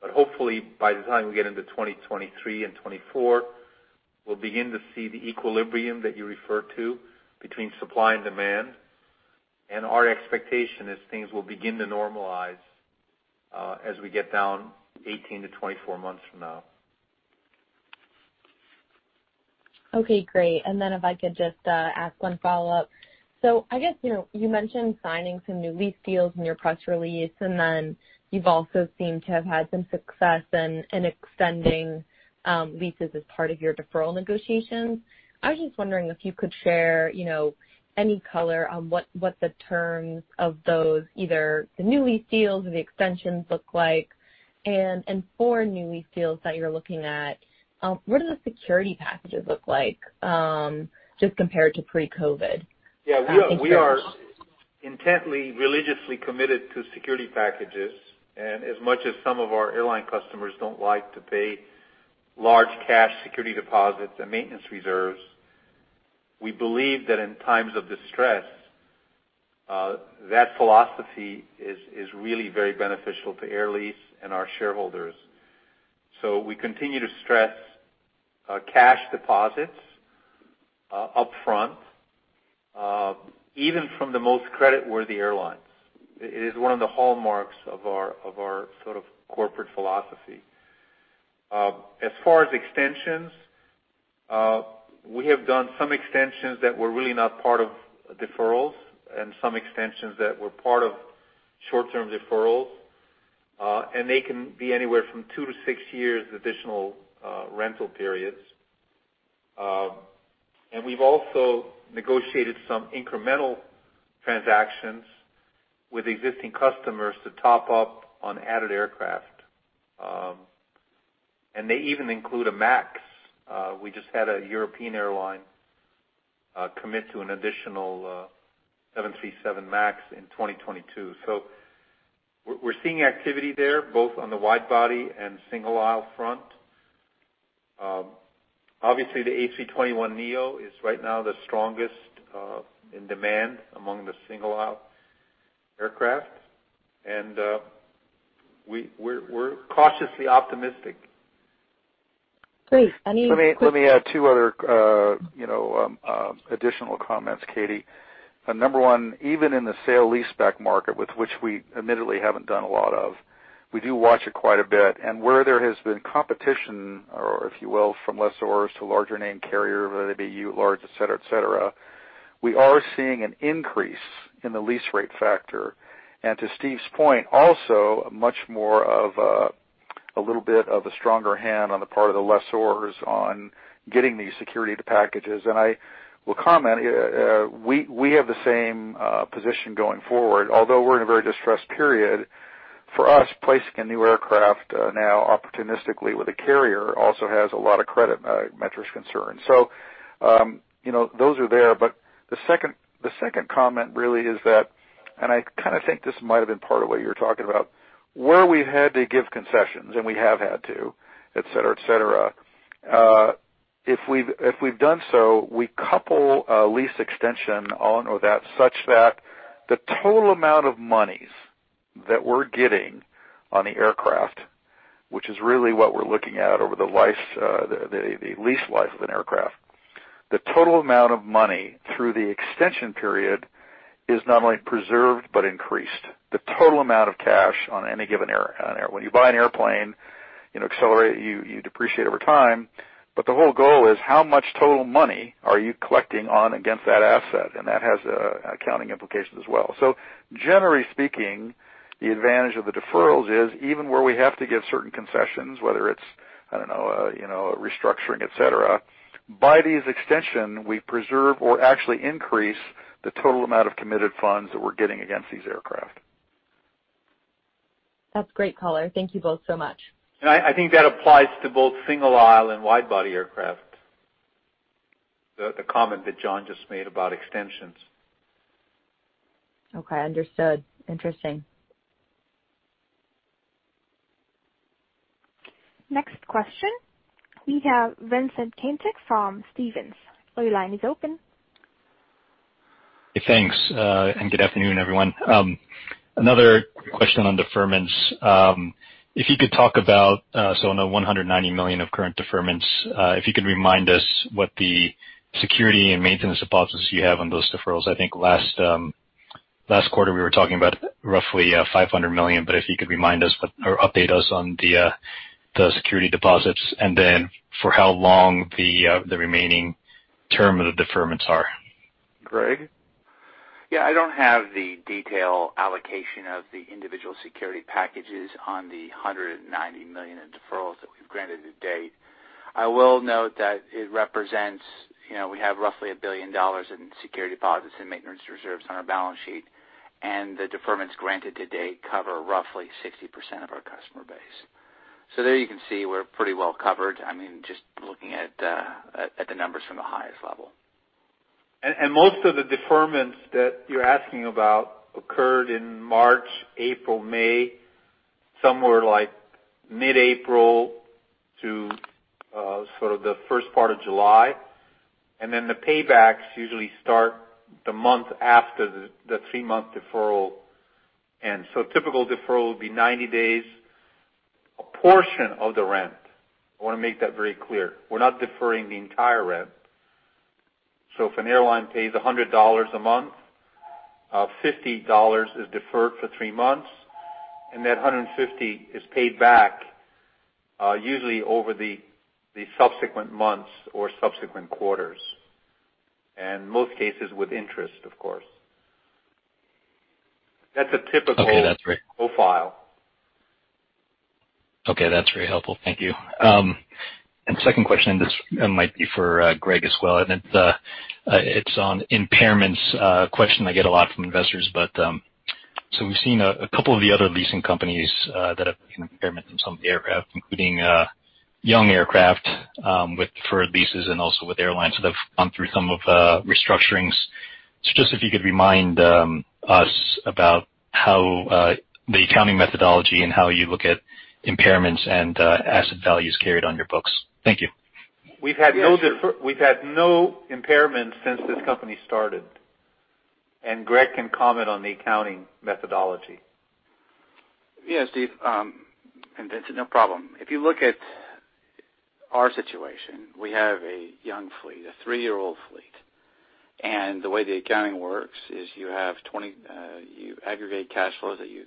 But hopefully, by the time we get into 2023 and 2024, we'll begin to see the equilibrium that you refer to between supply and demand. And our expectation is things will begin to normalize as we get down 18-24 months from now. Okay, great. And then if I could just ask one follow-up. So I guess you mentioned signing some new lease deals in your press release, and then you've also seemed to have had some success in extending leases as part of your deferral negotiations. I was just wondering if you could share any color on what the terms of those, either the new lease deals or the extensions look like. For new lease deals that you're looking at, what do the security packages look like just compared to pre-COVID? Yeah. We are intently, religiously committed to security packages. And as much as some of our airline customers don't like to pay large cash security deposits and maintenance reserves, we believe that in times of distress, that philosophy is really very beneficial to Air Lease and our shareholders. So we continue to stress cash deposits upfront, even from the most creditworthy airlines. It is one of the hallmarks of our sort of corporate philosophy. As far as extensions, we have done some extensions that were really not part of deferrals and some extensions that were part of short-term deferrals. And they can be anywhere from two to six years of additional rental periods. And we've also negotiated some incremental transactions with existing customers to top up on added aircraft. And they even include a MAX. We just had a European airline commit to an additional 737 MAX in 2022. So we're seeing activity there, both on the widebody and single-aisle front. Obviously, the A321neo is right now the strongest in demand among the single-aisle aircraft. And we're cautiously optimistic. Great. Any? Let me add two other additional comments, Katie. Number one, even in the sale-leaseback market, with which we admittedly haven't done a lot of, we do watch it quite a bit. And where there has been competition, if you will, from lessors to larger name carriers, whether they be legacy, etc., etc., we are seeing an increase in the lease rate factor. And to Steve's point, also much more of a little bit of a stronger hand on the part of the lessors on getting these security packages. I will comment, we have the same position going forward. Although we're in a very distressed period, for us, placing a new aircraft now opportunistically with a carrier also has a lot of credit metrics concerns. So those are there. But the second comment really is that, and I kind of think this might have been part of what you're talking about, where we've had to give concessions, and we have had to, etc., etc., if we've done so, we couple a lease extension on or that such that the total amount of monies that we're getting on the aircraft, which is really what we're looking at over the lease life of an aircraft, the total amount of money through the extension period is not only preserved but increased. The total amount of cash on any given air when you buy an airplane, accelerate, you depreciate over time. But the whole goal is how much total money are you collecting on against that asset? And that has accounting implications as well. So generally speaking, the advantage of the deferrals is even where we have to give certain concessions, whether it's, I don't know, a restructuring, etc., by these extensions, we preserve or actually increase the total amount of committed funds that we're getting against these aircraft. That's great, caller. Thank you both so much. And I think that applies to both single-aisle and widebody aircraft, the comment that John just made about extensions. Okay. Understood. Interesting. Next question. We have Vincent Caintic from Stephens. Your line is open. Thanks. And good afternoon, everyone. Another question on deferments. If you could talk about, so on the $190 million of current deferments, if you could remind us what the security and maintenance deposits you have on those deferrals? I think last quarter we were talking about roughly $500 million, but if you could remind us or update us on the security deposits and then for how long the remaining term of the deferments are. Greg? Yeah. I don't have the detailed allocation of the individual security packages on the $190 million in deferrals that we've granted to date. I will note that it represents we have roughly $1 billion in security deposits and maintenance reserves on our balance sheet. And the deferments granted to date cover roughly 60% of our customer base. So there you can see we're pretty well covered. I mean, just looking at the numbers from the highest level. And most of the deferments that you're asking about occurred in March, April, May, somewhere like mid-April to sort of the first part of July. And then the paybacks usually start the month after the three-month deferral ends. So a typical deferral would be 90 days, a portion of the rent. I want to make that very clear. We're not deferring the entire rent. So if an airline pays $100 a month, $50 is deferred for three months, and that $150 is paid back usually over the subsequent months or subsequent quarters, and most cases with interest, of course. That's a typical profile. Okay. That's very helpful. Thank you. And second question, and this might be for Greg as well, and it's on impairments question I get a lot from investors. But so we've seen a couple of the other leasing companies that have impairments on some of the aircraft, including young aircraft for leases and also with airlines that have gone through some of the restructurings. So, just if you could remind us about the accounting methodology and how you look at impairments and asset values carried on your books. Thank you. We've had no impairments since this company started, and Greg can comment on the accounting methodology. Yeah, Steve. And Vincent, no problem. If you look at our situation, we have a young fleet, a three-year-old fleet. The way the accounting works is you aggregate cash flows that you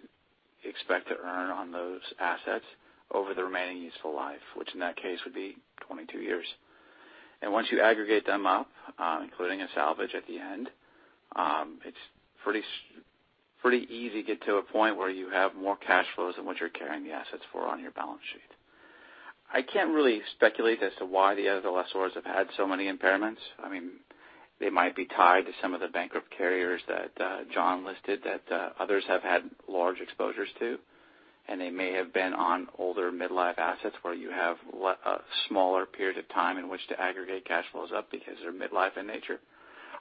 expect to earn on those assets over the remaining useful life, which in that case would be 22 years. Once you aggregate them up, including a salvage at the end, it's pretty easy to get to a point where you have more cash flows than what you're carrying the assets for on your balance sheet. I can't really speculate as to why the other lessors have had so many impairments. I mean, they might be tied to some of the bankrupt carriers that John listed that others have had large exposures to, and they may have been on older mid-life assets where you have a smaller period of time in which to aggregate cash flows up because they're mid-life in nature.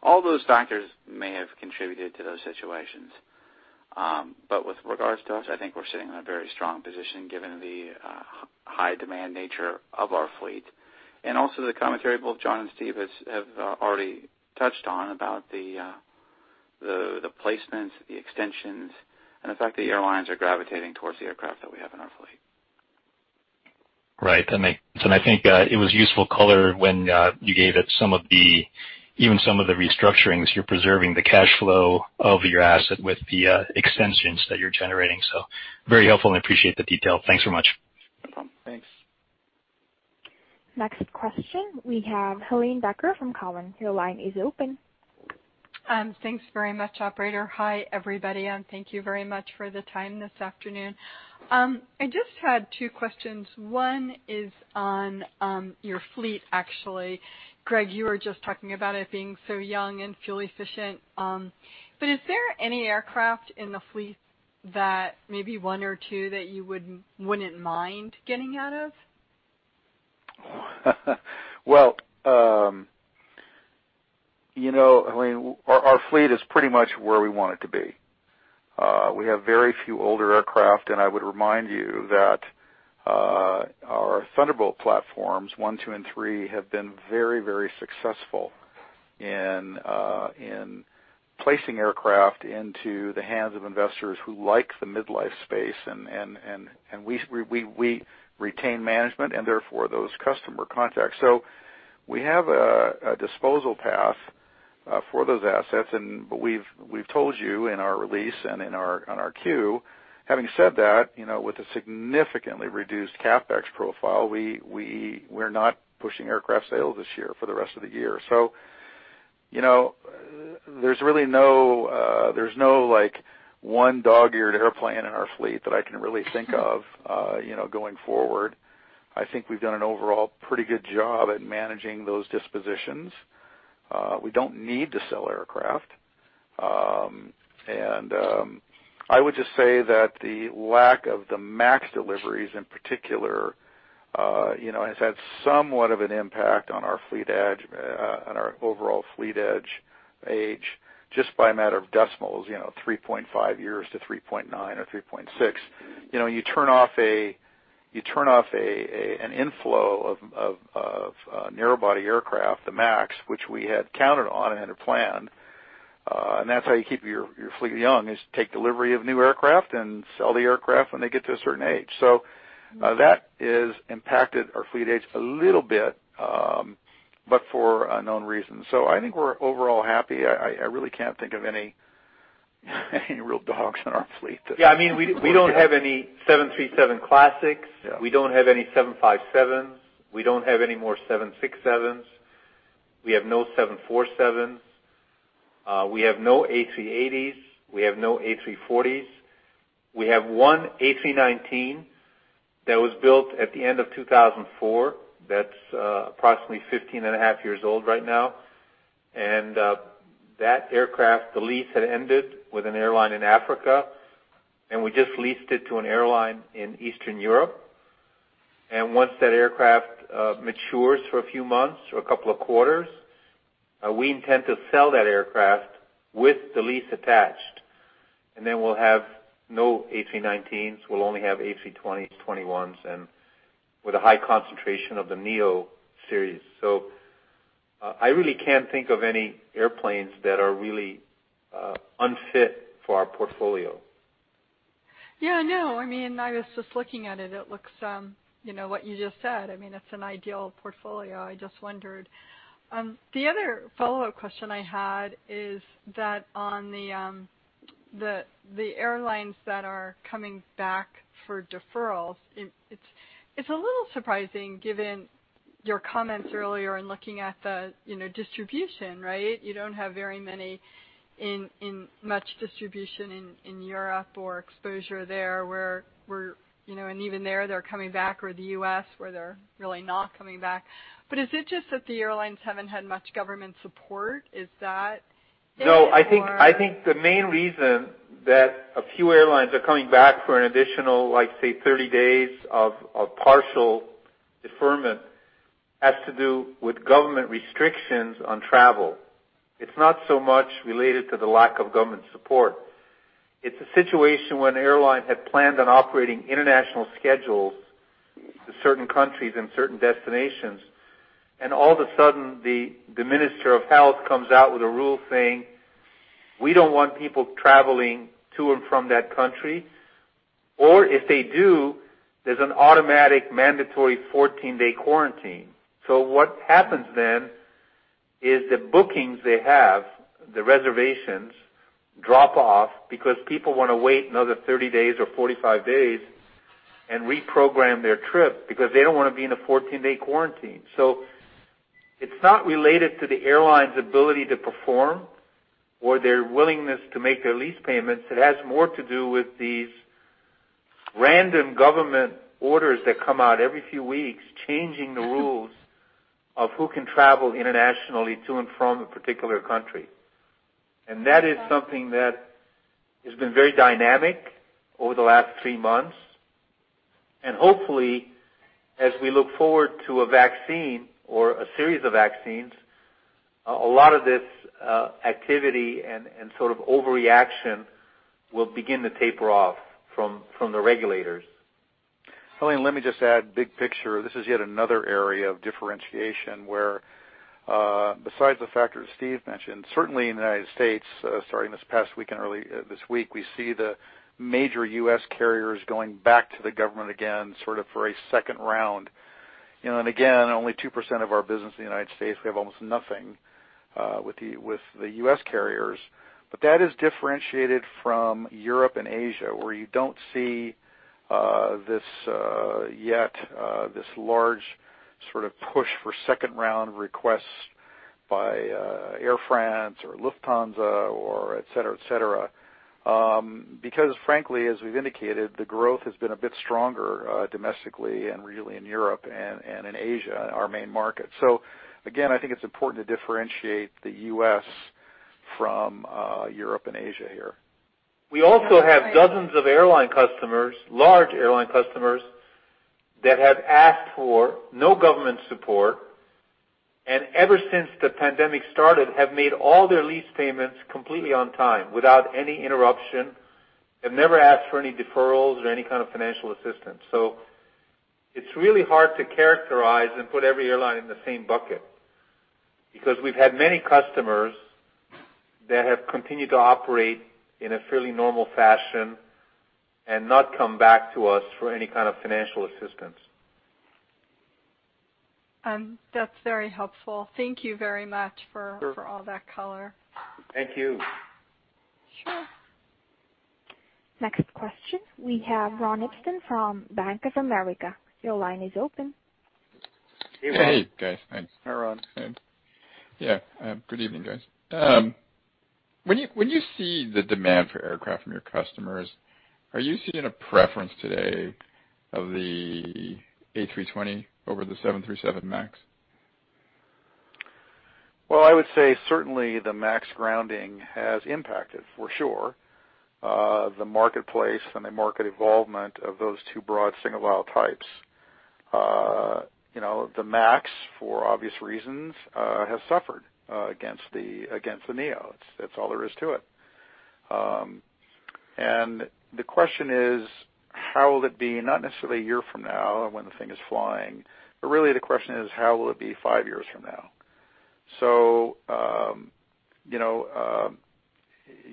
All those factors may have contributed to those situations. But with regards to us, I think we're sitting in a very strong position given the high-demand nature of our fleet. And also the commentary both John and Steve have already touched on about the placements, the extensions, and the fact that airlines are gravitating towards the aircraft that we have in our fleet. Right. And I think it was useful color when you gave it some of the restructurings, you're preserving the cash flow of your asset with the extensions that you're generating. So very helpful and appreciate the detail. Thanks very much. Thanks. Next question. We have Helane Becker from Cowen. Your line is open. Thanks very much, Operator. Hi, everybody. And thank you very much for the time this afternoon. I just had two questions. One is on your fleet, actually. Greg, you were just talking about it being so young and fuel efficient. But is there any aircraft in the fleet that maybe one or two that you wouldn't mind getting out of? Well, I mean, our fleet is pretty much where we want it to be. We have very few older aircraft. And I would remind you that our Thunderbolt platforms, one, two, and three have been very, very successful in placing aircraft into the hands of investors who like the mid-life space. And we retain management and therefore those customer contacts. So we have a disposal path for those assets. But we've told you in our release and on our Q&A, having said that, with a significantly reduced CapEx profile, we're not pushing aircraft sales this year for the rest of the year. So there's really no one dog-eared airplane in our fleet that I can really think of going forward. I think we've done an overall pretty good job at managing those dispositions. We don't need to sell aircraft. And I would just say that the lack of the MAX deliveries in particular has had somewhat of an impact on our fleet age, on our overall fleet age just by a matter of decimals, 3.5 years to 3.9 or 3.6. You turn off an inflow of narrowbody aircraft, the MAX, which we had counted on and had planned. And that's how you keep your fleet young, is take delivery of new aircraft and sell the aircraft when they get to a certain age. So that has impacted our fleet age a little bit, but for unknown reasons. So I think we're overall happy. I really can't think of any real dogs in our fleet. Yeah. I mean, we don't have any 737 Classics. We don't have any 757s. We don't have any more 767s. We have no 747s. We have no A380s. We have no A340s. We have one A319 that was built at the end of 2004. That's approximately 15 and a half years old right now. And that aircraft, the lease had ended with an airline in Africa, and we just leased it to an airline in Eastern Europe. Once that aircraft matures for a few months or a couple of quarters, we intend to sell that aircraft with the lease attached. Then we'll have no A319s. We'll only have A320s, 21s, and with a high concentration of the Neo series. So I really can't think of any airplanes that are really unfit for our portfolio. Yeah. No. I mean, I was just looking at it. It looks like you just said. I mean, it's an ideal portfolio. I just wondered. The other follow-up question I had is that on the airlines that are coming back for deferrals, it's a little surprising given your comments earlier and looking at the distribution, right? You don't have very many in much distribution in Europe or exposure there where, and even there, they're coming back, or the U.S. where they're really not coming back. But is it just that the airlines haven't had much government support? Is that? No. I think the main reason that a few airlines are coming back for an additional, say, 30 days of partial deferment has to do with government restrictions on travel. It's not so much related to the lack of government support. It's a situation when an airline had planned on operating international schedules to certain countries and certain destinations, and all of a sudden, the Minister of Health comes out with a rule saying, "We don't want people traveling to and from that country." Or if they do, there's an automatic mandatory 14-day quarantine. So what happens then is the bookings they have, the reservations, drop off because people want to wait another 30 days or 45 days and reprogram their trip because they don't want to be in a 14-day quarantine. It's not related to the airline's ability to perform or their willingness to make their lease payments. It has more to do with these random government orders that come out every few weeks changing the rules of who can travel internationally to and from a particular country. And that is something that has been very dynamic over the last three months. And hopefully, as we look forward to a vaccine or a series of vaccines, a lot of this activity and sort of overreaction will begin to taper off from the regulators. Helane, let me just add big picture. This is yet another area of differentiation where, besides the factors Steve mentioned, certainly in the United States, starting this past week and early this week, we see the major U.S. carriers going back to the government again sort of for a second round. And again, only 2% of our business in the United States. We have almost nothing with the U.S. carriers. But that is differentiated from Europe and Asia where you don't see yet this large sort of push for second-round requests by Air France or Lufthansa or etc., etc. Because frankly, as we've indicated, the growth has been a bit stronger domestically and regionally in Europe and in Asia, our main market. So again, I think it's important to differentiate the U.S. from Europe and Asia here. We also have dozens of airline customers, large airline customers, that have asked for no government support and ever since the pandemic started have made all their lease payments completely on time without any interruption. They've never asked for any deferrals or any kind of financial assistance. So it's really hard to characterize and put every airline in the same bucket because we've had many customers that have continued to operate in a fairly normal fashion and not come back to us for any kind of financial assistance. That's very helpful. Thank you very much for all that color. Thank you. Sure. Next question. We have Ron Epstein from Bank of America. Your line is open. Hey, Ron. Hey, guys. Thanks. Hi, Ron. Yeah. Good evening, guys. When you see the demand for aircraft from your customers, are you seeing a preference today of the A320 over the 737 MAX? Well, I would say certainly the MAX grounding has impacted, for sure, the marketplace and the market evolvement of those two broad single-aisle types. The MAX, for obvious reasons, has suffered against the Neo. That's all there is to it. And the question is, how will it be not necessarily a year from now when the thing is flying, but really the question is, how will it be five years from now? So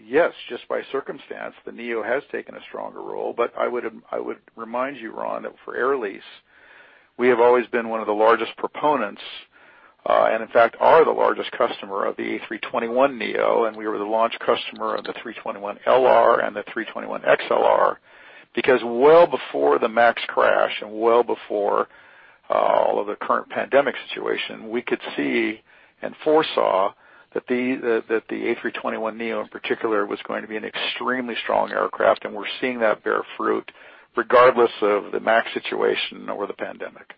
yes, just by circumstance, the Neo has taken a stronger role. But I would remind you, Ron, that for Air Lease, we have always been one of the largest proponents and in fact are the largest customer of the A321neo. And we were the launch customer of the A321LR and the A321XLR because well before the MAX crash and well before all of the current pandemic situation, we could see and foresaw that the A321neo in particular was going to be an extremely strong aircraft. And we're seeing that bear fruit regardless of the MAX situation or the pandemic.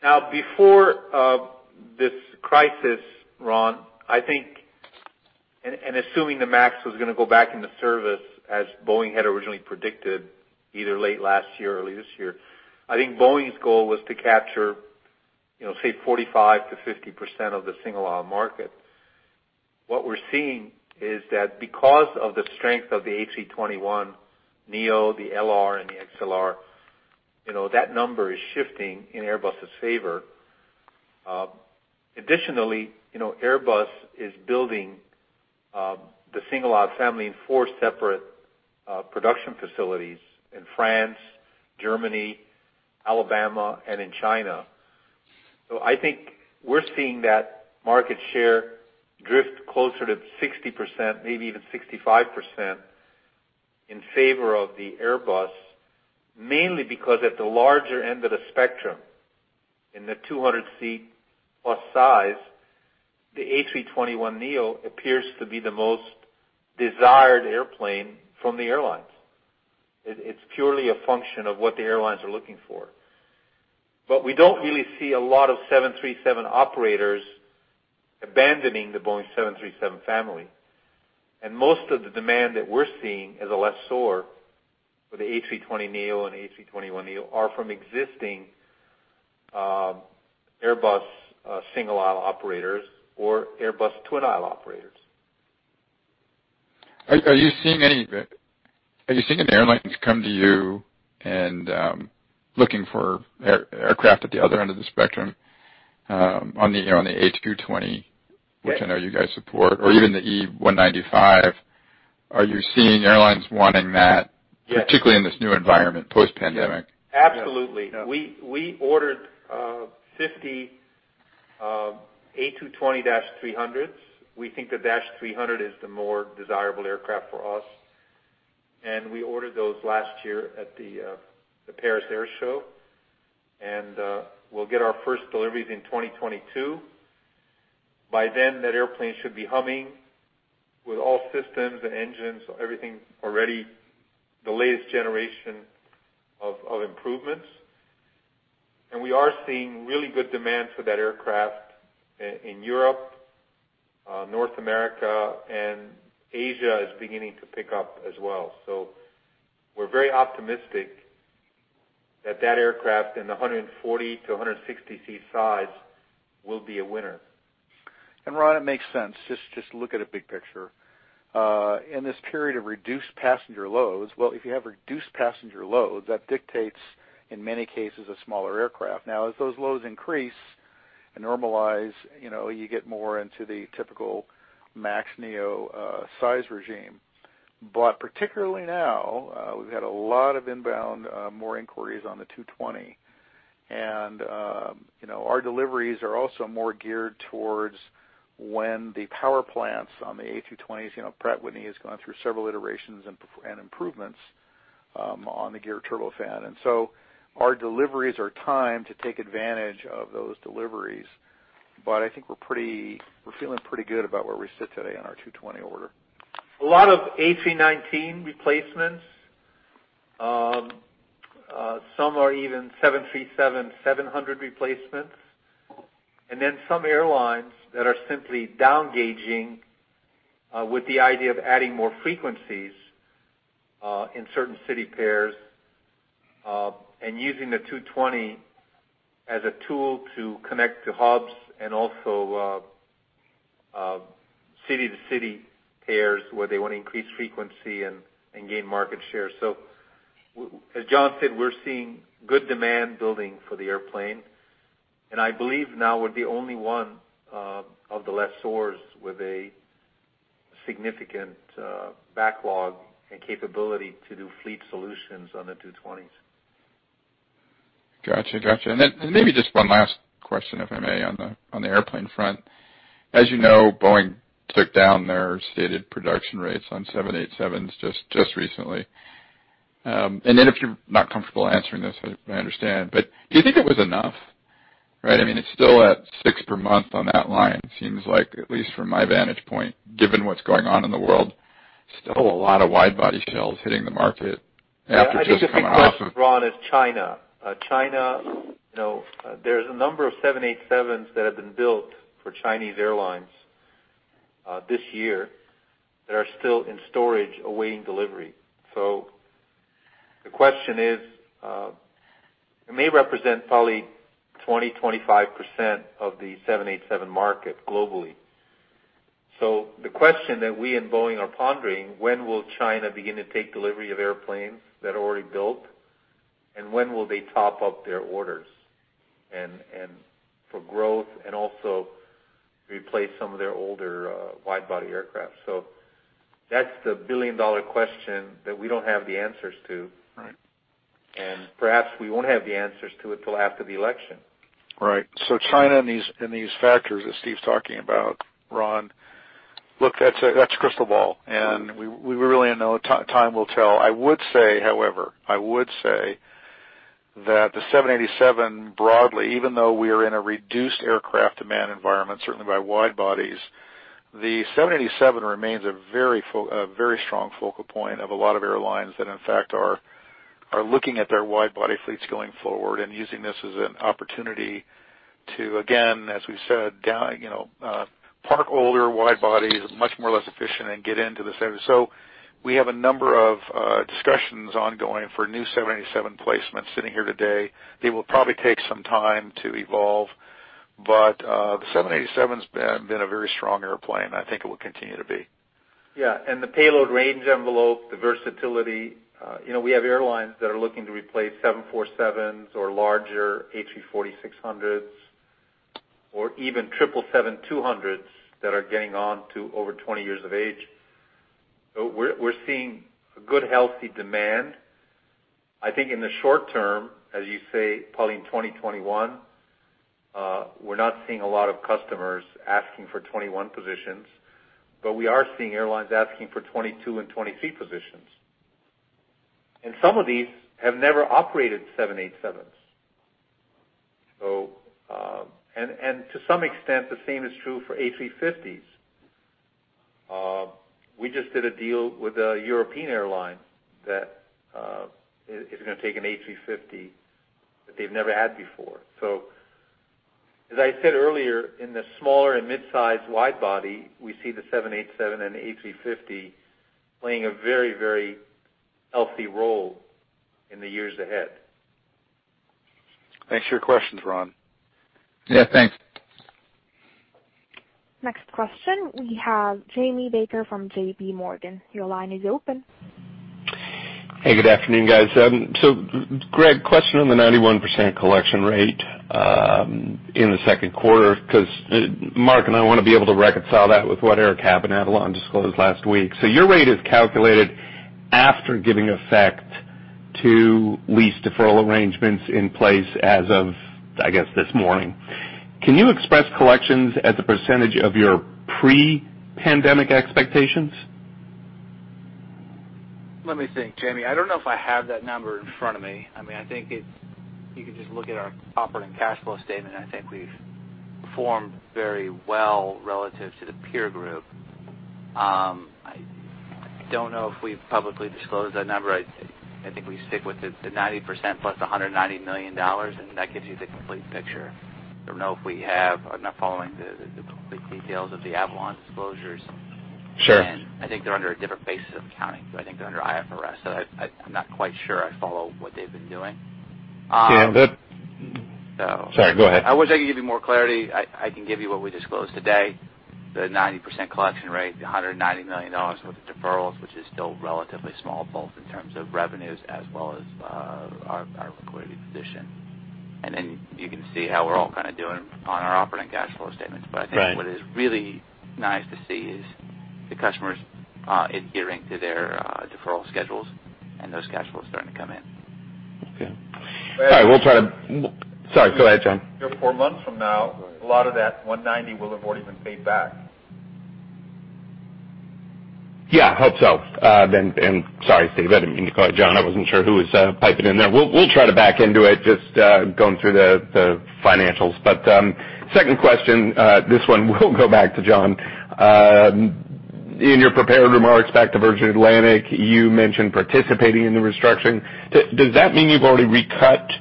Now, before this crisis, Ron, I think, and assuming the MAX was going to go back into service as Boeing had originally predicted either late last year or early this year, I think Boeing's goal was to capture, say, 45%-50% of the single-aisle market. What we're seeing is that because of the strength of the A321neo, the LR, and the XLR, that number is shifting in Airbus's favor. Additionally, Airbus is building the single-aisle family in four separate production facilities in France, Germany, Alabama, and in China. So I think we're seeing that market share drift closer to 60%, maybe even 65% in favor of the Airbus, mainly because at the larger end of the spectrum in the 200-seat plus size, the A321neo appears to be the most desired airplane from the airlines. It's purely a function of what the airlines are looking for. But we don't really see a lot of 737 operators abandoning the Boeing 737 family. And most of the demand that we're seeing as a lessor for the A320neo and A321neo are from existing Airbus single-aisle operators or Airbus twin-aisle operators. Are you seeing any airlines come to you and looking for aircraft at the other end of the spectrum on the A220, which I know you guys support, or even the E195? Are you seeing airlines wanting that, particularly in this new environment post-pandemic? Absolutely. We ordered 50 A220-300s. We think the -300 is the more desirable aircraft for us. And we ordered those last year at the Paris Air Show. And we'll get our first deliveries in 2022. By then, that airplane should be humming with all systems, the engines, everything already the latest generation of improvements. We are seeing really good demand for that aircraft in Europe, North America, and Asia is beginning to pick up as well. So we're very optimistic that that aircraft in the 140-160-seat size will be a winner. And Ron, it makes sense just to look at a big picture. In this period of reduced passenger loads, well, if you have reduced passenger loads, that dictates, in many cases, a smaller aircraft. Now, as those loads increase and normalize, you get more into the typical MAX, Neo size regime. But particularly now, we've had a lot more inbound inquiries on the 220. And our deliveries are also more geared towards when the power plants on the A220s, Pratt & Whitney has gone through several iterations and improvements on the Geared Turbofan. And so our deliveries are timed to take advantage of those deliveries. But I think we're feeling pretty good about where we sit today on our 220 order. A lot of A319 replacements, some are even 737-700 replacements. And then some airlines that are simply down-gauging with the idea of adding more frequencies in certain city pairs and using the 220 as a tool to connect to hubs and also city-to-city pairs where they want to increase frequency and gain market share. So as John said, we're seeing good demand building for the airplane. And I believe now we're the only one of the lessors with a significant backlog and capability to do fleet solutions on the 220s. Gotcha. Gotcha. And then maybe just one last question, if I may, on the airplane front. As you know, Boeing took down their stated production rates on 787s just recently. And then if you're not comfortable answering this, I understand. But do you think it was enough? Right? I mean, it's still at six per month on that line, seems like, at least from my vantage point, given what's going on in the world. Still a lot of wide-body shells hitting the market after just coming off of. I think the problem with, Ron, is China. China, there's a number of 787s that have been built for Chinese airlines this year that are still in storage awaiting delivery. So the question is, it may represent probably 20%-25% of the 787 market globally. So the question that we in Boeing are pondering, when will China begin to take delivery of airplanes that are already built, and when will they top up their orders for growth and also replace some of their older wide-body aircraft? So that's the billion-dollar question that we don't have the answers to. Perhaps we won't have the answers to it until after the election. Right. China and these factors that Steve's talking about, Ron, look, that's a crystal ball. We really don't know. Time will tell. I would say, however, I would say that the 787 broadly, even though we are in a reduced aircraft demand environment, certainly by wide bodies, the 787 remains a very strong focal point of a lot of airlines that, in fact, are looking at their wide-body fleets going forward and using this as an opportunity to, again, as we said, park older wide bodies much more or less efficient and get into the 787. We have a number of discussions ongoing for new 787 placements sitting here today. They will probably take some time to evolve. The 787's been a very strong airplane, and I think it will continue to be. Yeah. And the payload range envelope, the versatility. We have airlines that are looking to replace 747s or larger A340-600s or even 777-200s that are getting on to over 20 years of age. So we're seeing good, healthy demand. I think in the short term, as you say, probably in 2021, we're not seeing a lot of customers asking for 21 positions. But we are seeing airlines asking for 22 and 23 positions. And some of these have never operated 787s. And to some extent, the same is true for A350s. We just did a deal with a European airline that is going to take an A350 that they've never had before. So as I said earlier, in the smaller and mid-size wide body, we see the 787 and the A350 playing a very, very healthy role in the years ahead. Thanks for your questions, Ron. Yeah. Thanks. Next question. We have Jamie Baker from JPMorgan. Your line is open. Hey, good afternoon, guys. So Greg, question on the 91% collection rate in the second quarter because Mark and I want to be able to reconcile that with what AerCap disclosed last week. So your rate is calculated after giving effect to lease deferral arrangements in place as of, I guess, this morning. Can you express collections as a percentage of your pre-pandemic expectations? Let me think, Jamie. I don't know if I have that number in front of me. I mean, I think you can just look at our operating cash flow statement. I think we've performed very well relative to the peer group. I don't know if we've publicly disclosed that number. I think we stick with the 90% plus the $190 million, and that gives you the complete picture. I don't know if we have or not followed the details of the Avolon disclosures. And I think they're under a different basis of accounting. I think they're under IFRS. So I'm not quite sure I follow what they've been doing. Yeah. Sorry. Go ahead. I wish I could give you more clarity. I can give you what we disclosed today, the 90% collection rate, the $190 million with the deferrals, which is still relatively small both in terms of revenues as well as our liquidity position. And then you can see how we're all kind of doing on our operating cash flow statements. But I think what is really nice to see is the customers adhering to their deferral schedules and those cash flows starting to come in. Okay. All right. We'll try to sorry. Go ahead, John. Four months from now, a lot of that 190 will have already been paid back. Yeah. Hope so. And sorry, Steve. I didn't mean to call you, John. I wasn't sure who was piping in there. We'll try to back into it just going through the financials. But second question, this one will go back to John. In your prepared remarks back to Virgin Atlantic, you mentioned participating in the restructuring. Does that mean you've already recut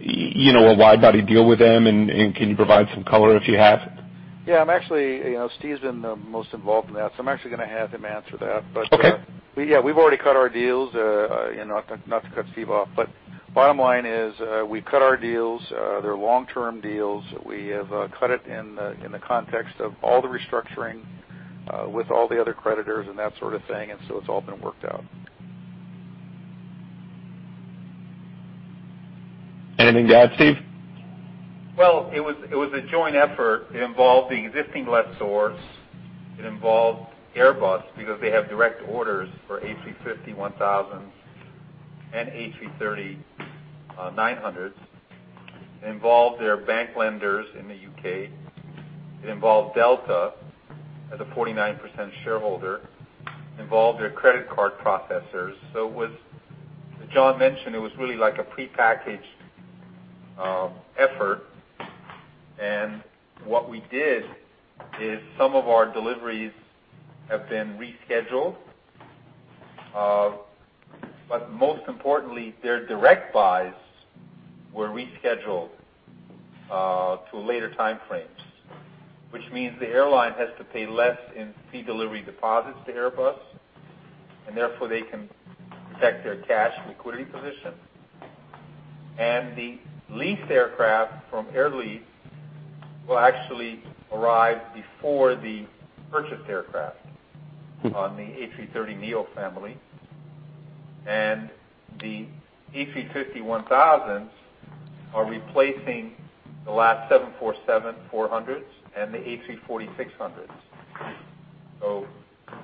a wide-body deal with them? And can you provide some color if you have? Yeah. Actually, Steve's been the most involved in that. So I'm actually going to have him answer that. But yeah, we've already cut our deals, not to cut Steve off. But bottom line is we've cut our deals. They're long-term deals. We have cut it in the context of all the restructuring with all the other creditors and that sort of thing. So it's all been worked out. Anything to add, Steve? It was a joint effort. It involved the existing lessors. It involved Airbus because they have direct orders for A350-1000s and A330-900s. It involved their bank lenders in the U.K. It involved Delta as a 49% shareholder. It involved their credit card processors. So as John mentioned, it was really like a prepackaged effort. What we did is some of our deliveries have been rescheduled. Most importantly, their direct buys were rescheduled to later time frames, which means the airline has to pay less in pre-delivery deposits to Airbus. Therefore, they can protect their cash liquidity position. And the leased aircraft from Air Lease will actually arrive before the purchased aircraft on the A330neo family. And the A350-1000s are replacing the last 747-400s and the A340-600s. So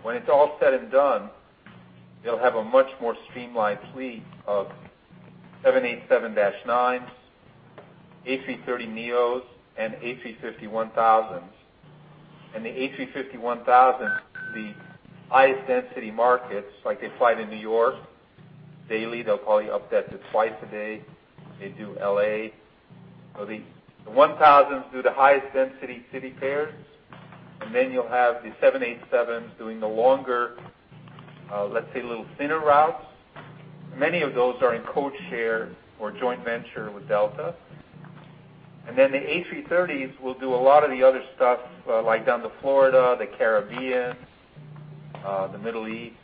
when it's all said and done, they'll have a much more streamlined fleet of 787-9s, A330neos, and A350-1000s. And the A350-1000s, the highest density markets, like they fly to New York daily, they'll probably up that to twice a day. They do LA. So the 1000s do the highest density city pairs. And then you'll have the 787s doing the longer, let's say, a little thinner routes. Many of those are in codeshare or joint venture with Delta. And then the A330s will do a lot of the other stuff like down to Florida, the Caribbean, the Middle East,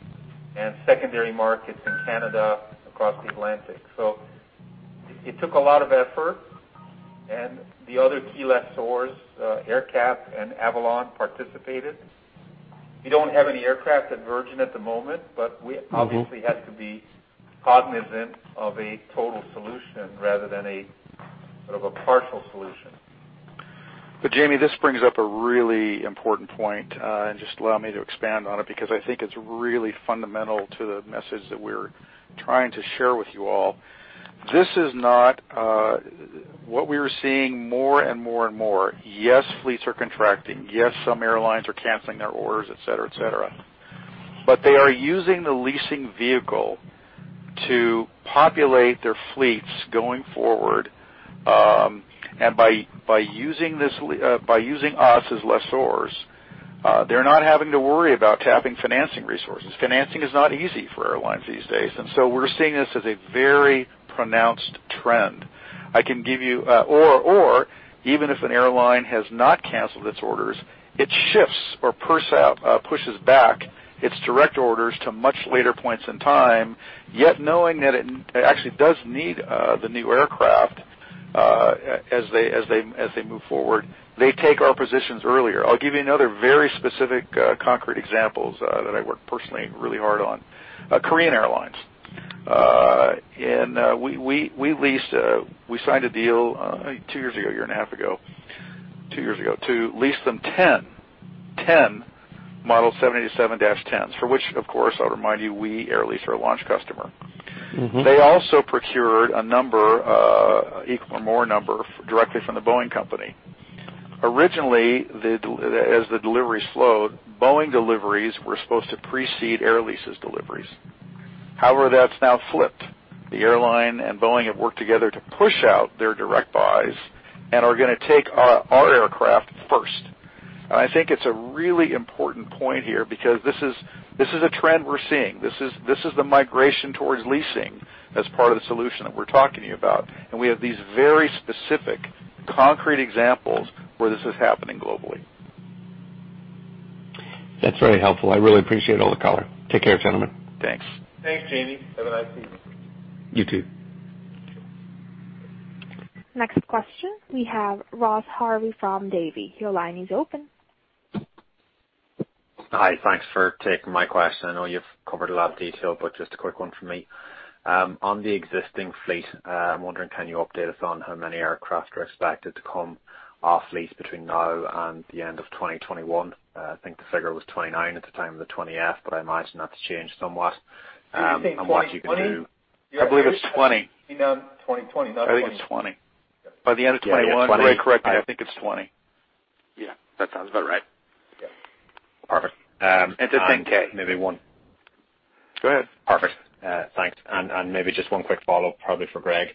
and secondary markets in Canada across the Atlantic. So it took a lot of effort. And the other key lessors, AerCap and Avolon, participated. We don't have any aircraft at Virgin at the moment, but we obviously have to be cognizant of a total solution rather than a sort of a partial solution. But Jamie, this brings up a really important point. And just allow me to expand on it because I think it's really fundamental to the message that we're trying to share with you all. This is not what we are seeing more and more and more. Yes, fleets are contracting. Yes, some airlines are canceling their orders, etc., etc. But they are using the leasing vehicle to populate their fleets going forward. And by using us as lessors, they're not having to worry about tapping financing resources. Financing is not easy for airlines these days. And so we're seeing this as a very pronounced trend. I can give you, or even if an airline has not canceled its orders, it shifts or pushes back its direct orders to much later points in time, yet knowing that it actually does need the new aircraft as they move forward, they take our positions earlier. I'll give you another very specific concrete example that I work personally really hard on: Korean Air. And we leased; we signed a deal two years ago, a year and a half ago, two years ago to lease them 10, 10 model 787-10s, for which, of course, I'll remind you, we Air Lease are a launch customer. They also procured a number, equal or more number, directly from the Boeing Company. Originally, as the delivery slowed, Boeing deliveries were supposed to precede Air Lease's deliveries. However, that's now flipped. The airline and Boeing have worked together to push out their direct buys and are going to take our aircraft first, and I think it's a really important point here because this is a trend we're seeing. This is the migration towards leasing as part of the solution that we're talking to you about, and we have these very specific concrete examples where this is happening globally. That's very helpful. I really appreciate all the color. Take care, gentlemen. Thanks. Thanks, Jamie. Have a nice evening. You too. Next question. We have Ross Harvey from Davy. Your line is open. Hi. Thanks for taking my question. I know you've covered a lot of detail, but just a quick one from me. On the existing fleet, I'm wondering, can you update us on how many aircraft are expected to come off lease between now and the end of 2021? I think the figure was 29 at the time of the 20-F, but I imagine that's changed somewhat. I'm watching the news. I believe it's 20. I think it's 20. By the end of 2021, Greg, correct me. I think it's 20. Yeah. That sounds about right. Perfect. And just think maybe one. Go ahead. Perfect. Thanks. And maybe just one quick follow-up, probably for Greg.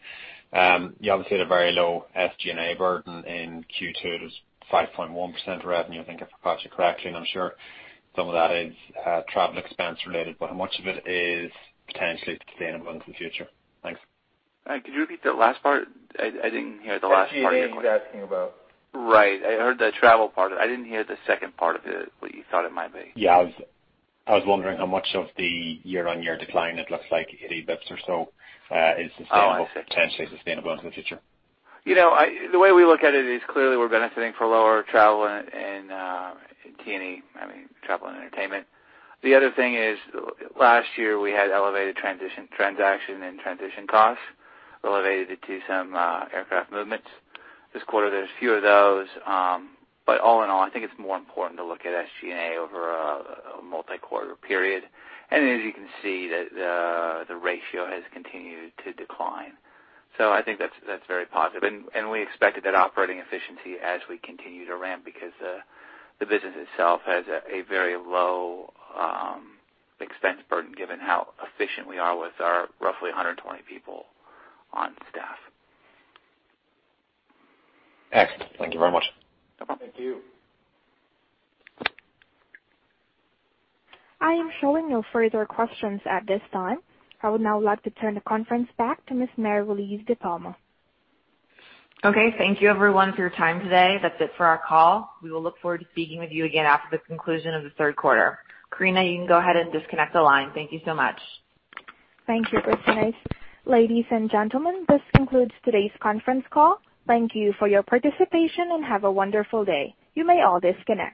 You obviously had a very low SG&A burden in Q2. It was 5.1% revenue, I think, if I caught you correctly. And I'm sure some of that is travel expense related, but how much of it is potentially sustainable into the future? Thanks. And could you repeat that last part? I didn't hear the last part of your question. What were you asking about? Right. I heard the travel part of it. I didn't hear the second part of it, what you thought it might be. Yeah. I was wondering how much of the year-on-year decline, it looks like, 80 basis points or so, is potentially sustainable into the future. The way we look at it is clearly we're benefiting for lower travel and T&E, I mean, travel and entertainment. The other thing is last year we had elevated transaction and transition costs related to some aircraft movements. This quarter, there's fewer of those. But all in all, I think it's more important to look at SG&A over a multi-quarter period. And as you can see, the ratio has continued to decline. So I think that's very positive. And we expected that operating efficiency as we continue to ramp because the business itself has a very low expense burden given how efficient we are with our roughly 120 people on staff. Excellent. Thank you very much. No problem. Thank you. I am showing no further questions at this time. I would now like to turn the conference back to Ms. Mary Liz DePalma. Okay. Thank you, everyone, for your time today. That's it for our call. We will look forward to speaking with you again after the conclusion of the third quarter. Karina, you can go ahead and disconnect the line. Thank you so much. Thank you, Christine. Ladies and gentlemen, this concludes today's conference call. Thank you for your participation and have a wonderful day. You may all disconnect.